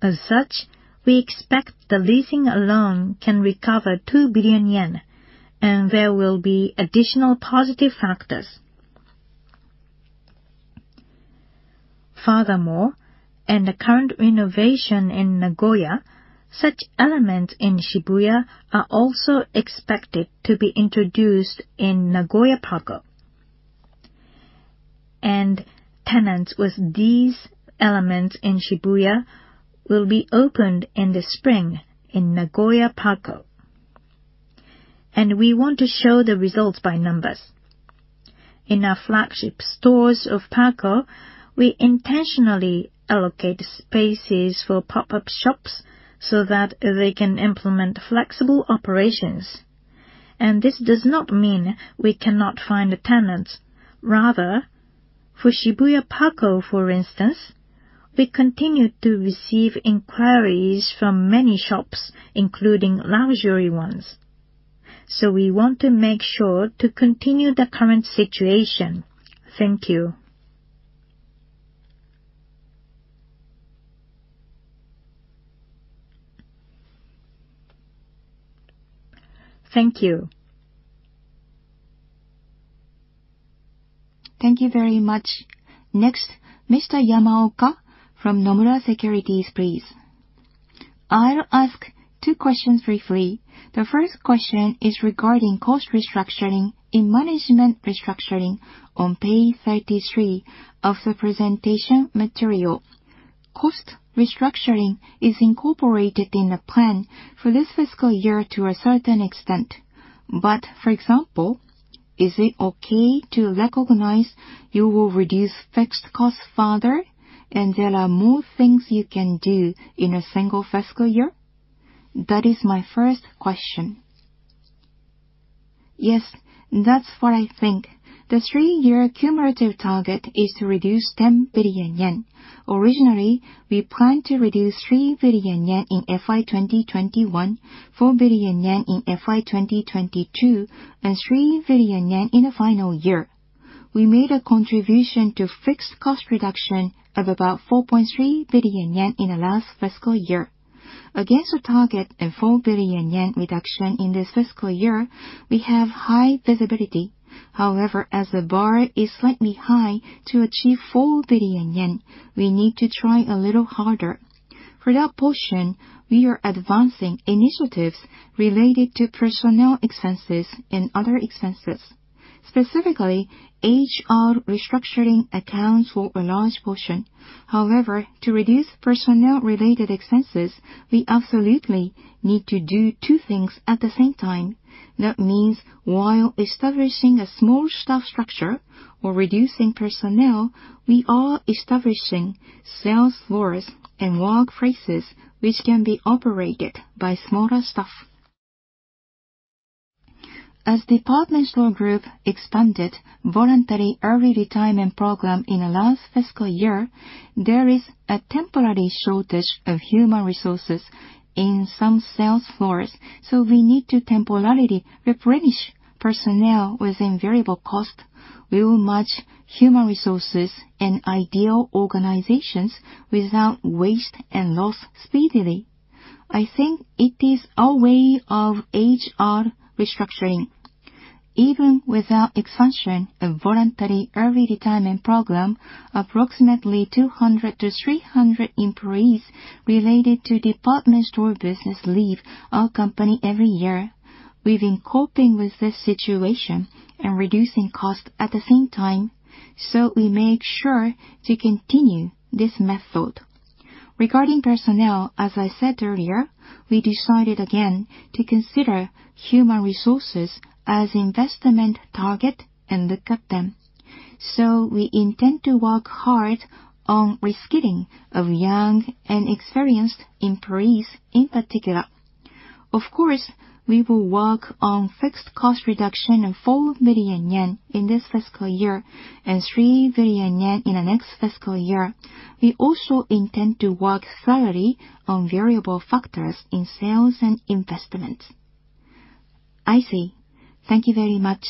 E: As such, we expect the leasing alone can recover 2 billion yen, and there will be additional positive factors. Furthermore, in the current renovation in Nagoya, such elements in Shibuya are also expected to be introduced in Nagoya PARCO. Tenants with these elements in Shibuya will be opened in the spring in Nagoya PARCO. We want to show the results by numbers. In our flagship stores of PARCO, we intentionally allocate spaces for pop-up shops so that they can implement flexible operations. This does not mean we cannot find the tenants. Rather, for Shibuya PARCO, for instance, we continue to receive inquiries from many shops, including luxury ones. We want to make sure to continue the current situation. Thank you.
D: Thank you.
B: Thank you very much. Next, Mr. Yamaoka from Nomura Securities, please.
F: I'll ask two questions briefly. The first question is regarding cost restructuring in management restructuring on page 33 of the presentation material. Cost restructuring is incorporated in the plan for this fiscal year to a certain extent. For example, is it okay to recognize you will reduce fixed costs further, and there are more things you can do in a single fiscal year? That is my first question.
A: Yes, that's what I think. The three-year cumulative target is to reduce 10 billion yen. Originally, we planned to reduce 3 billion yen in fiscal year 2021, 4 billion yen in fiscal year 2022, and 3 billion yen in the final year. We made a contribution to fixed cost reduction of about 4.3 billion yen in the last fiscal year. Against the target of 4 billion yen reduction in this fiscal year, we have high visibility. However, as the bar is slightly high to achieve 4 billion yen, we need to try a little harder. For that portion, we are advancing initiatives related to personnel expenses and other expenses. Specifically, HR restructuring accounts for a large portion. However, to reduce personnel-related expenses, we absolutely need to do two things at the same time. That means while establishing a small staff structure or reducing personnel, we are establishing sales floors and workplaces which can be operated by smaller staff. As department store group expanded voluntary early retirement program in the last fiscal year, there is a temporary shortage of human resources in some sales floors, so we need to temporarily replenish personnel within variable cost. We will match human resources and ideal organizations without waste and loss speedily. I think it is our way of HR restructuring. Even without expansion of voluntary early retirement program, approximately 200 to 300 employees related to department store business leave our company every year. We've been coping with this situation and reducing costs at the same time, so we made sure to continue this method. Regarding personnel, as I said earlier, we decided again to consider human resources as investment target and look at them. We intend to work hard on reskilling of young and experienced employees in particular. Of course, we will work on fixed cost reduction of 4 billion yen in this fiscal year and 3 billion yen in the next fiscal year. We also intend to work thoroughly on variable factors in sales and investments. I see. Thank you very much.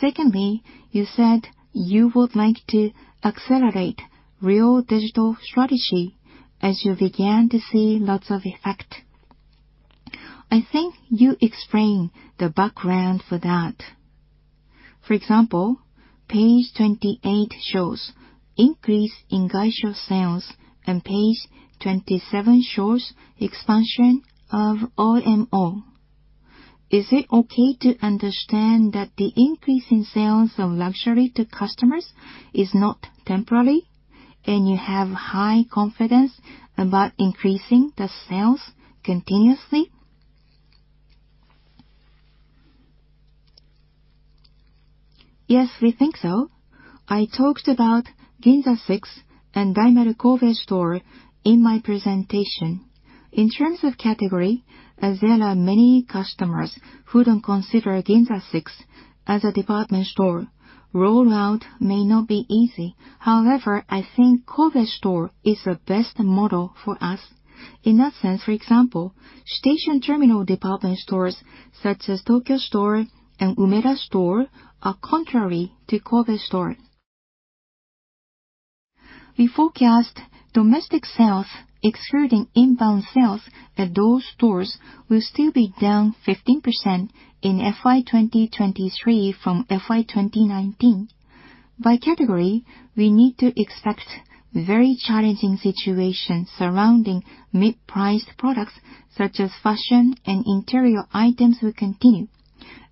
A: Secondly, you said you would like to accelerate real digital strategy as you began to see lots of effect.
F: I think you explained the background for that. For example, page 28 shows increase in Gaisho sales and page 27 shows expansion of OMO. Is it okay to understand that the increase in sales of luxury to customers is not temporary, and you have high confidence about increasing the sales continuously?
A: Yes, we think so. I talked about Ginza Six and Daimaru Kobe Store in my presentation. In terms of category, as there are many customers who don't consider Ginza Six as a department store, rollout may not be easy. However, I think Kobe Store is the best model for us. In that sense, for example, station terminal department stores such as Tokyo Store and Umeda Store are contrary to Kobe Store. We forecast domestic sales excluding inbound sales at those stores will still be down 15% in fiscal year 2023 from fiscal year 2019. By category, we need to expect a very challenging situation surrounding mid-priced products, such as fashion and interior items, will continue.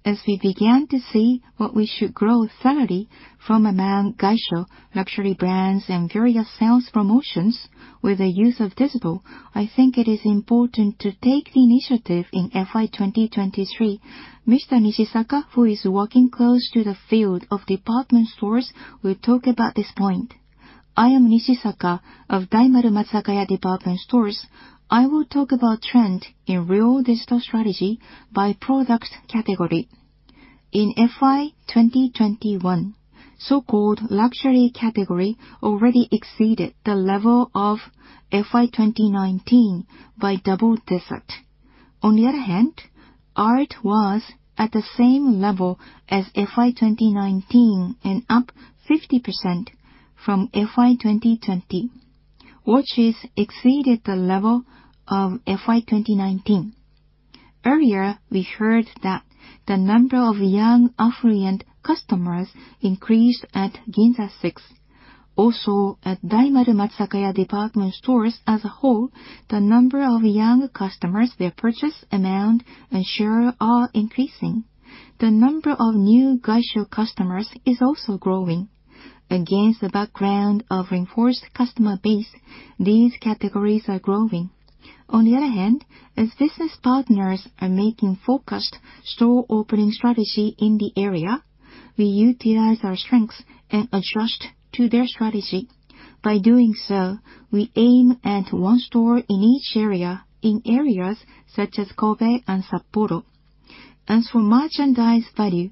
A: As we began to see what we should grow thoroughly from among Gaisho luxury brands and various sales promotions with the use of digital, I think it is important to take the initiative in fiscal year 2023. Mr. Nishisaka, who is working close to the field of department stores, will talk about this point.
G: I am Nishisaka of Daimaru Matsuzakaya Department Stores. I will talk about trend in retail digital strategy by product category. In fiscal year 2021, so-called luxury category already exceeded the level of fiscal year 2019 by double-digit. On the other hand, art was at the same level as fiscal year 2019 and up 50% from fiscal year 2020. Watches exceeded the level of fiscal year 2019. Earlier, we heard that the number of young affluent customers increased at Ginza Six. Also, at Daimaru Matsuzakaya Department Stores as a whole, the number of young customers, their purchase amount and share are increasing. The number of new Gaisho customers is also growing. Against the background of reinforced customer base, these categories are growing. On the other hand, as business partners are making focused store opening strategy in the area, we utilize our strengths and adjust to their strategy. By doing so, we aim at one store in each area, in areas such as Kobe and Sapporo. As for merchandise value,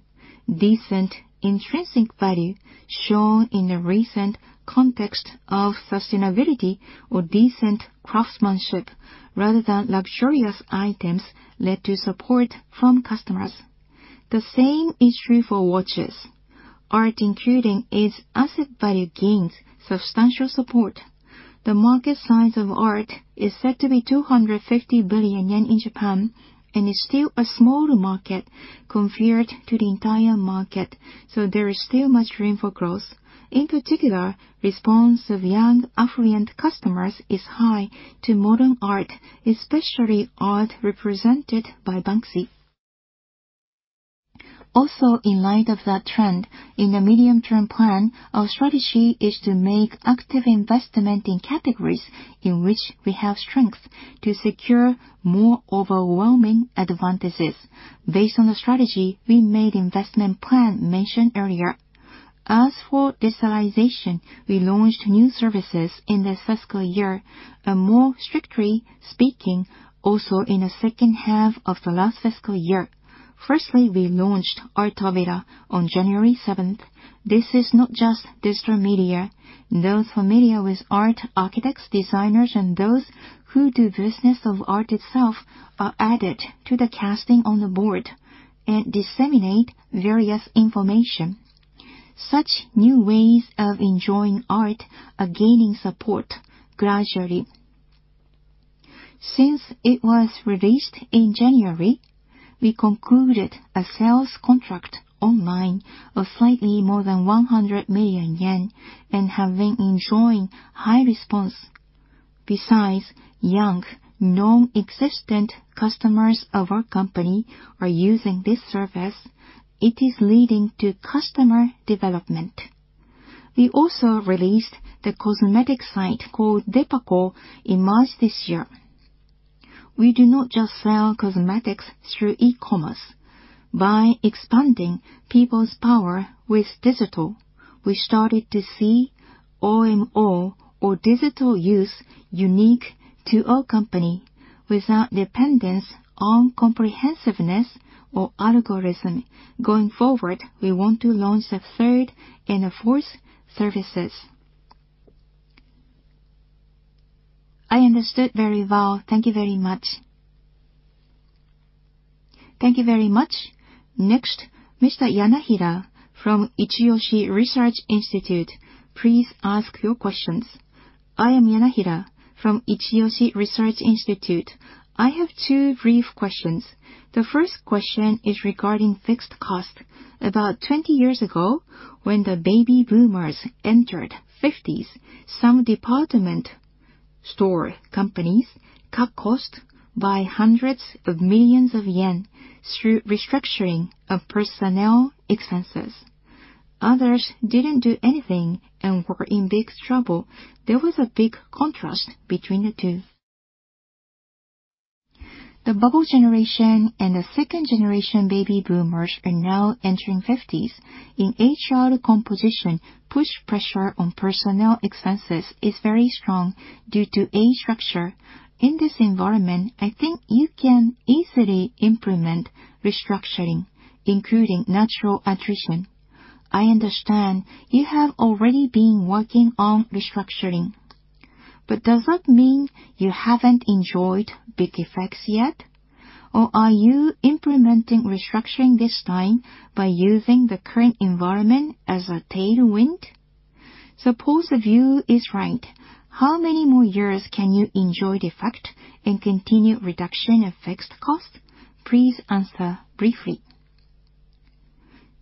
G: decent intrinsic value shown in the recent context of sustainability or decent craftsmanship rather than luxurious items led to support from customers. The same is true for watches. Art including its asset value gains substantial support. The market size of art is said to be 250 billion yen in Japan and is still a smaller market compared to the entire market, so there is still much room for growth. In particular, response of young affluent customers is high to modern art, especially art represented by Banksy. Also, in light of that trend, in the medium-term plan, our strategy is to make active investment in categories in which we have strength to secure more overwhelming advantages. Based on the strategy, we made investment plan mentioned earlier. As for digitalization, we launched new services in this fiscal year, and more strictly speaking, also in the second half of the last fiscal year. Firstly, we launched ARTOVILLA on 7 January 2022. This is not just digital media. Those familiar with art, architects, designers, and those who do business of art itself are added to the casting on the board and disseminate various information. Such new ways of enjoying art are gaining support gradually. Since it was released in January, we concluded a sales contract online of slightly more than 100 million yen and have been enjoying high response. Besides young, nonexistent customers of our company are using this service. It is leading to customer development. We also released the cosmetic site called DEPACO in March this year. We do not just sell cosmetics through e-commerce. By expanding people's power with digital, we started to see OMO or digital use unique to our company without dependence on comprehensiveness or algorithm. Going forward, we want to launch the third and the fourth services.
F: I understood very well. Thank you very much.
H: Thank you very much. Next, Mr. Yanahira from Ichiyoshi Research Institute, please ask your questions.
I: I am Yanahira from Ichiyoshi Research Institute. I have two brief questions. The first question is regarding fixed cost. About 20 years ago, when the baby boomers entered fifties, some department store companies cut cost by hundreds of millions of JPY through restructuring of personnel expenses. Others didn't do anything and were in big trouble. There was a big contrast between the two. The bubble generation and the second-generation baby boomers are now entering fifties. In HR composition, upward pressure on personnel expenses is very strong due to age structure. In this environment, I think you can easily implement restructuring, including natural attrition. I understand you have already been working on restructuring, but does that mean you haven't enjoyed big effects yet? Or are you implementing restructuring this time by using the current environment as a tailwind? Suppose the view is right, how many more years can you enjoy the effect and continue reduction of fixed cost? Please answer briefly.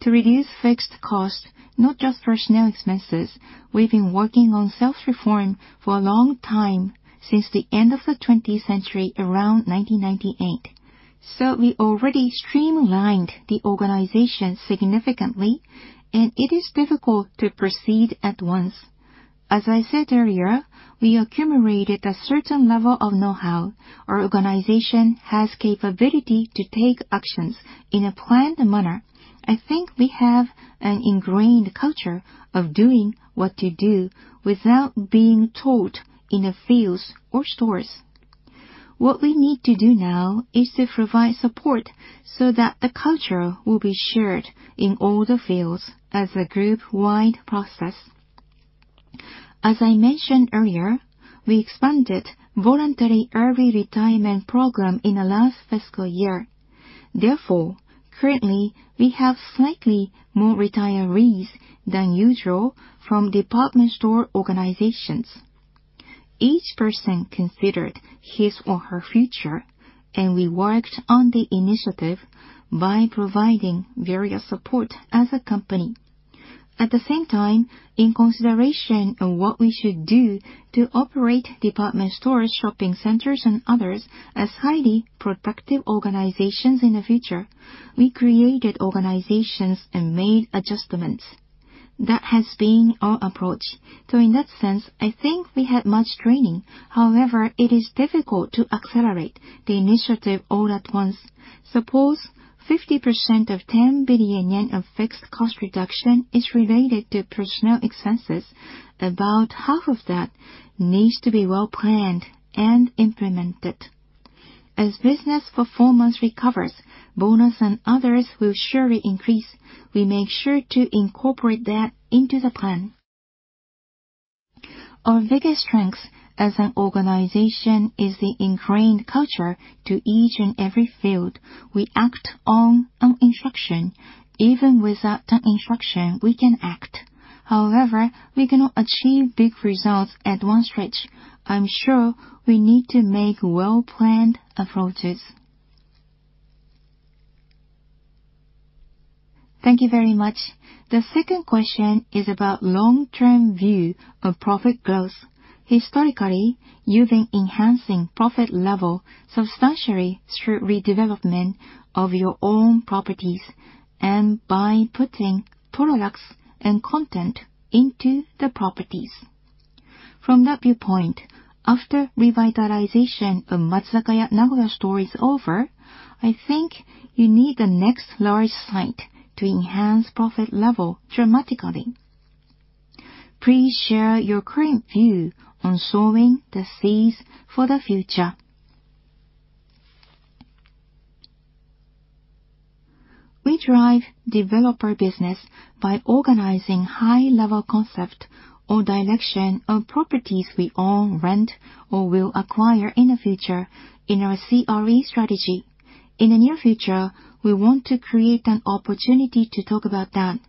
A: To reduce fixed costs, not just personnel expenses, we've been working on self-reform for a long time, since the end of the 20th century, around 1998. We already streamlined the organization significantly, and it is difficult to proceed at once. As I said earlier, we accumulated a certain level of know-how. Our organization has capability to take actions in a planned manner. I think we have an ingrained culture of doing what to do without being taught in the fields or stores. What we need to do now is to provide support so that the culture will be shared in all the fields as a group-wide process. As I mentioned earlier, we expanded voluntary early retirement program in the last fiscal year. Therefore, currently, we have slightly more retirees than usual from department store organizations. Each person considered his or her future, and we worked on the initiative by providing various support as a company. At the same time, in consideration of what we should do to operate department stores, shopping centers, and others as highly productive organizations in the future, we created organizations and made adjustments. That has been our approach. In that sense, I think we had much training. However, it is difficult to accelerate the initiative all at once. Suppose 50% of 10 billion yen of fixed cost reduction is related to personnel expenses. About half of that needs to be well-planned and implemented. As business performance recovers, bonus and others will surely increase. We make sure to incorporate that into the plan. Our biggest strength as an organization is the ingrained culture to each and every field. We act on an instruction. Even without an instruction, we can act. However, we cannot achieve big results at one stretch. I'm sure we need to make well-planned approaches.
C: Thank you very much. The second question is about long-term view of profit growth. Historically, you've been enhancing profit level substantially through redevelopment of your own properties and by putting products and content into the properties. From that viewpoint, after revitalization of Matsuzakaya Nagoya store is over, I think you need the next large site to enhance profit level dramatically. Please share your current view on sowing the seeds for the future.
J: We drive development business by organizing high-level concept or direction of properties we own, rent, or will acquire in the future in our CRE strategy. In the near future, we want to create an opportunity to talk about that.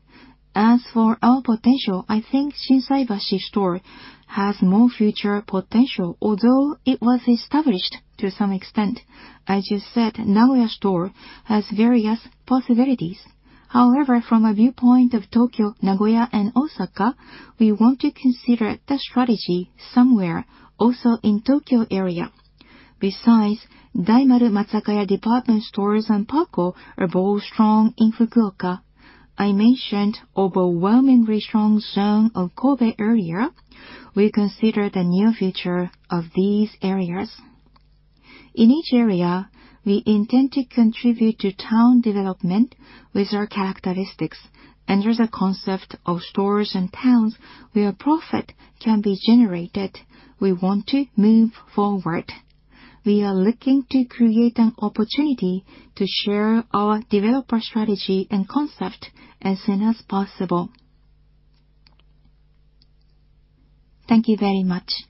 J: As for our potential, I think Shinsaibashi Store has more future potential, although it was established to some extent. As you said, Nagoya Store has various possibilities. However, from a viewpoint of Tokyo, Nagoya, and Osaka, we want to consider the strategy somewhere also in Tokyo area. Besides, Daimaru Matsuzakaya Department Stores and PARCO are both strong in Fukuoka. I mentioned overwhelmingly strong zone of Kobe area. We consider the near future of these areas. In each area, we intend to contribute to town development with our characteristics. Under the concept of stores and towns where profit can be generated, we want to move forward. We are looking to create an opportunity to share our developer strategy and concept as soon as possible.
I: Thank you very much.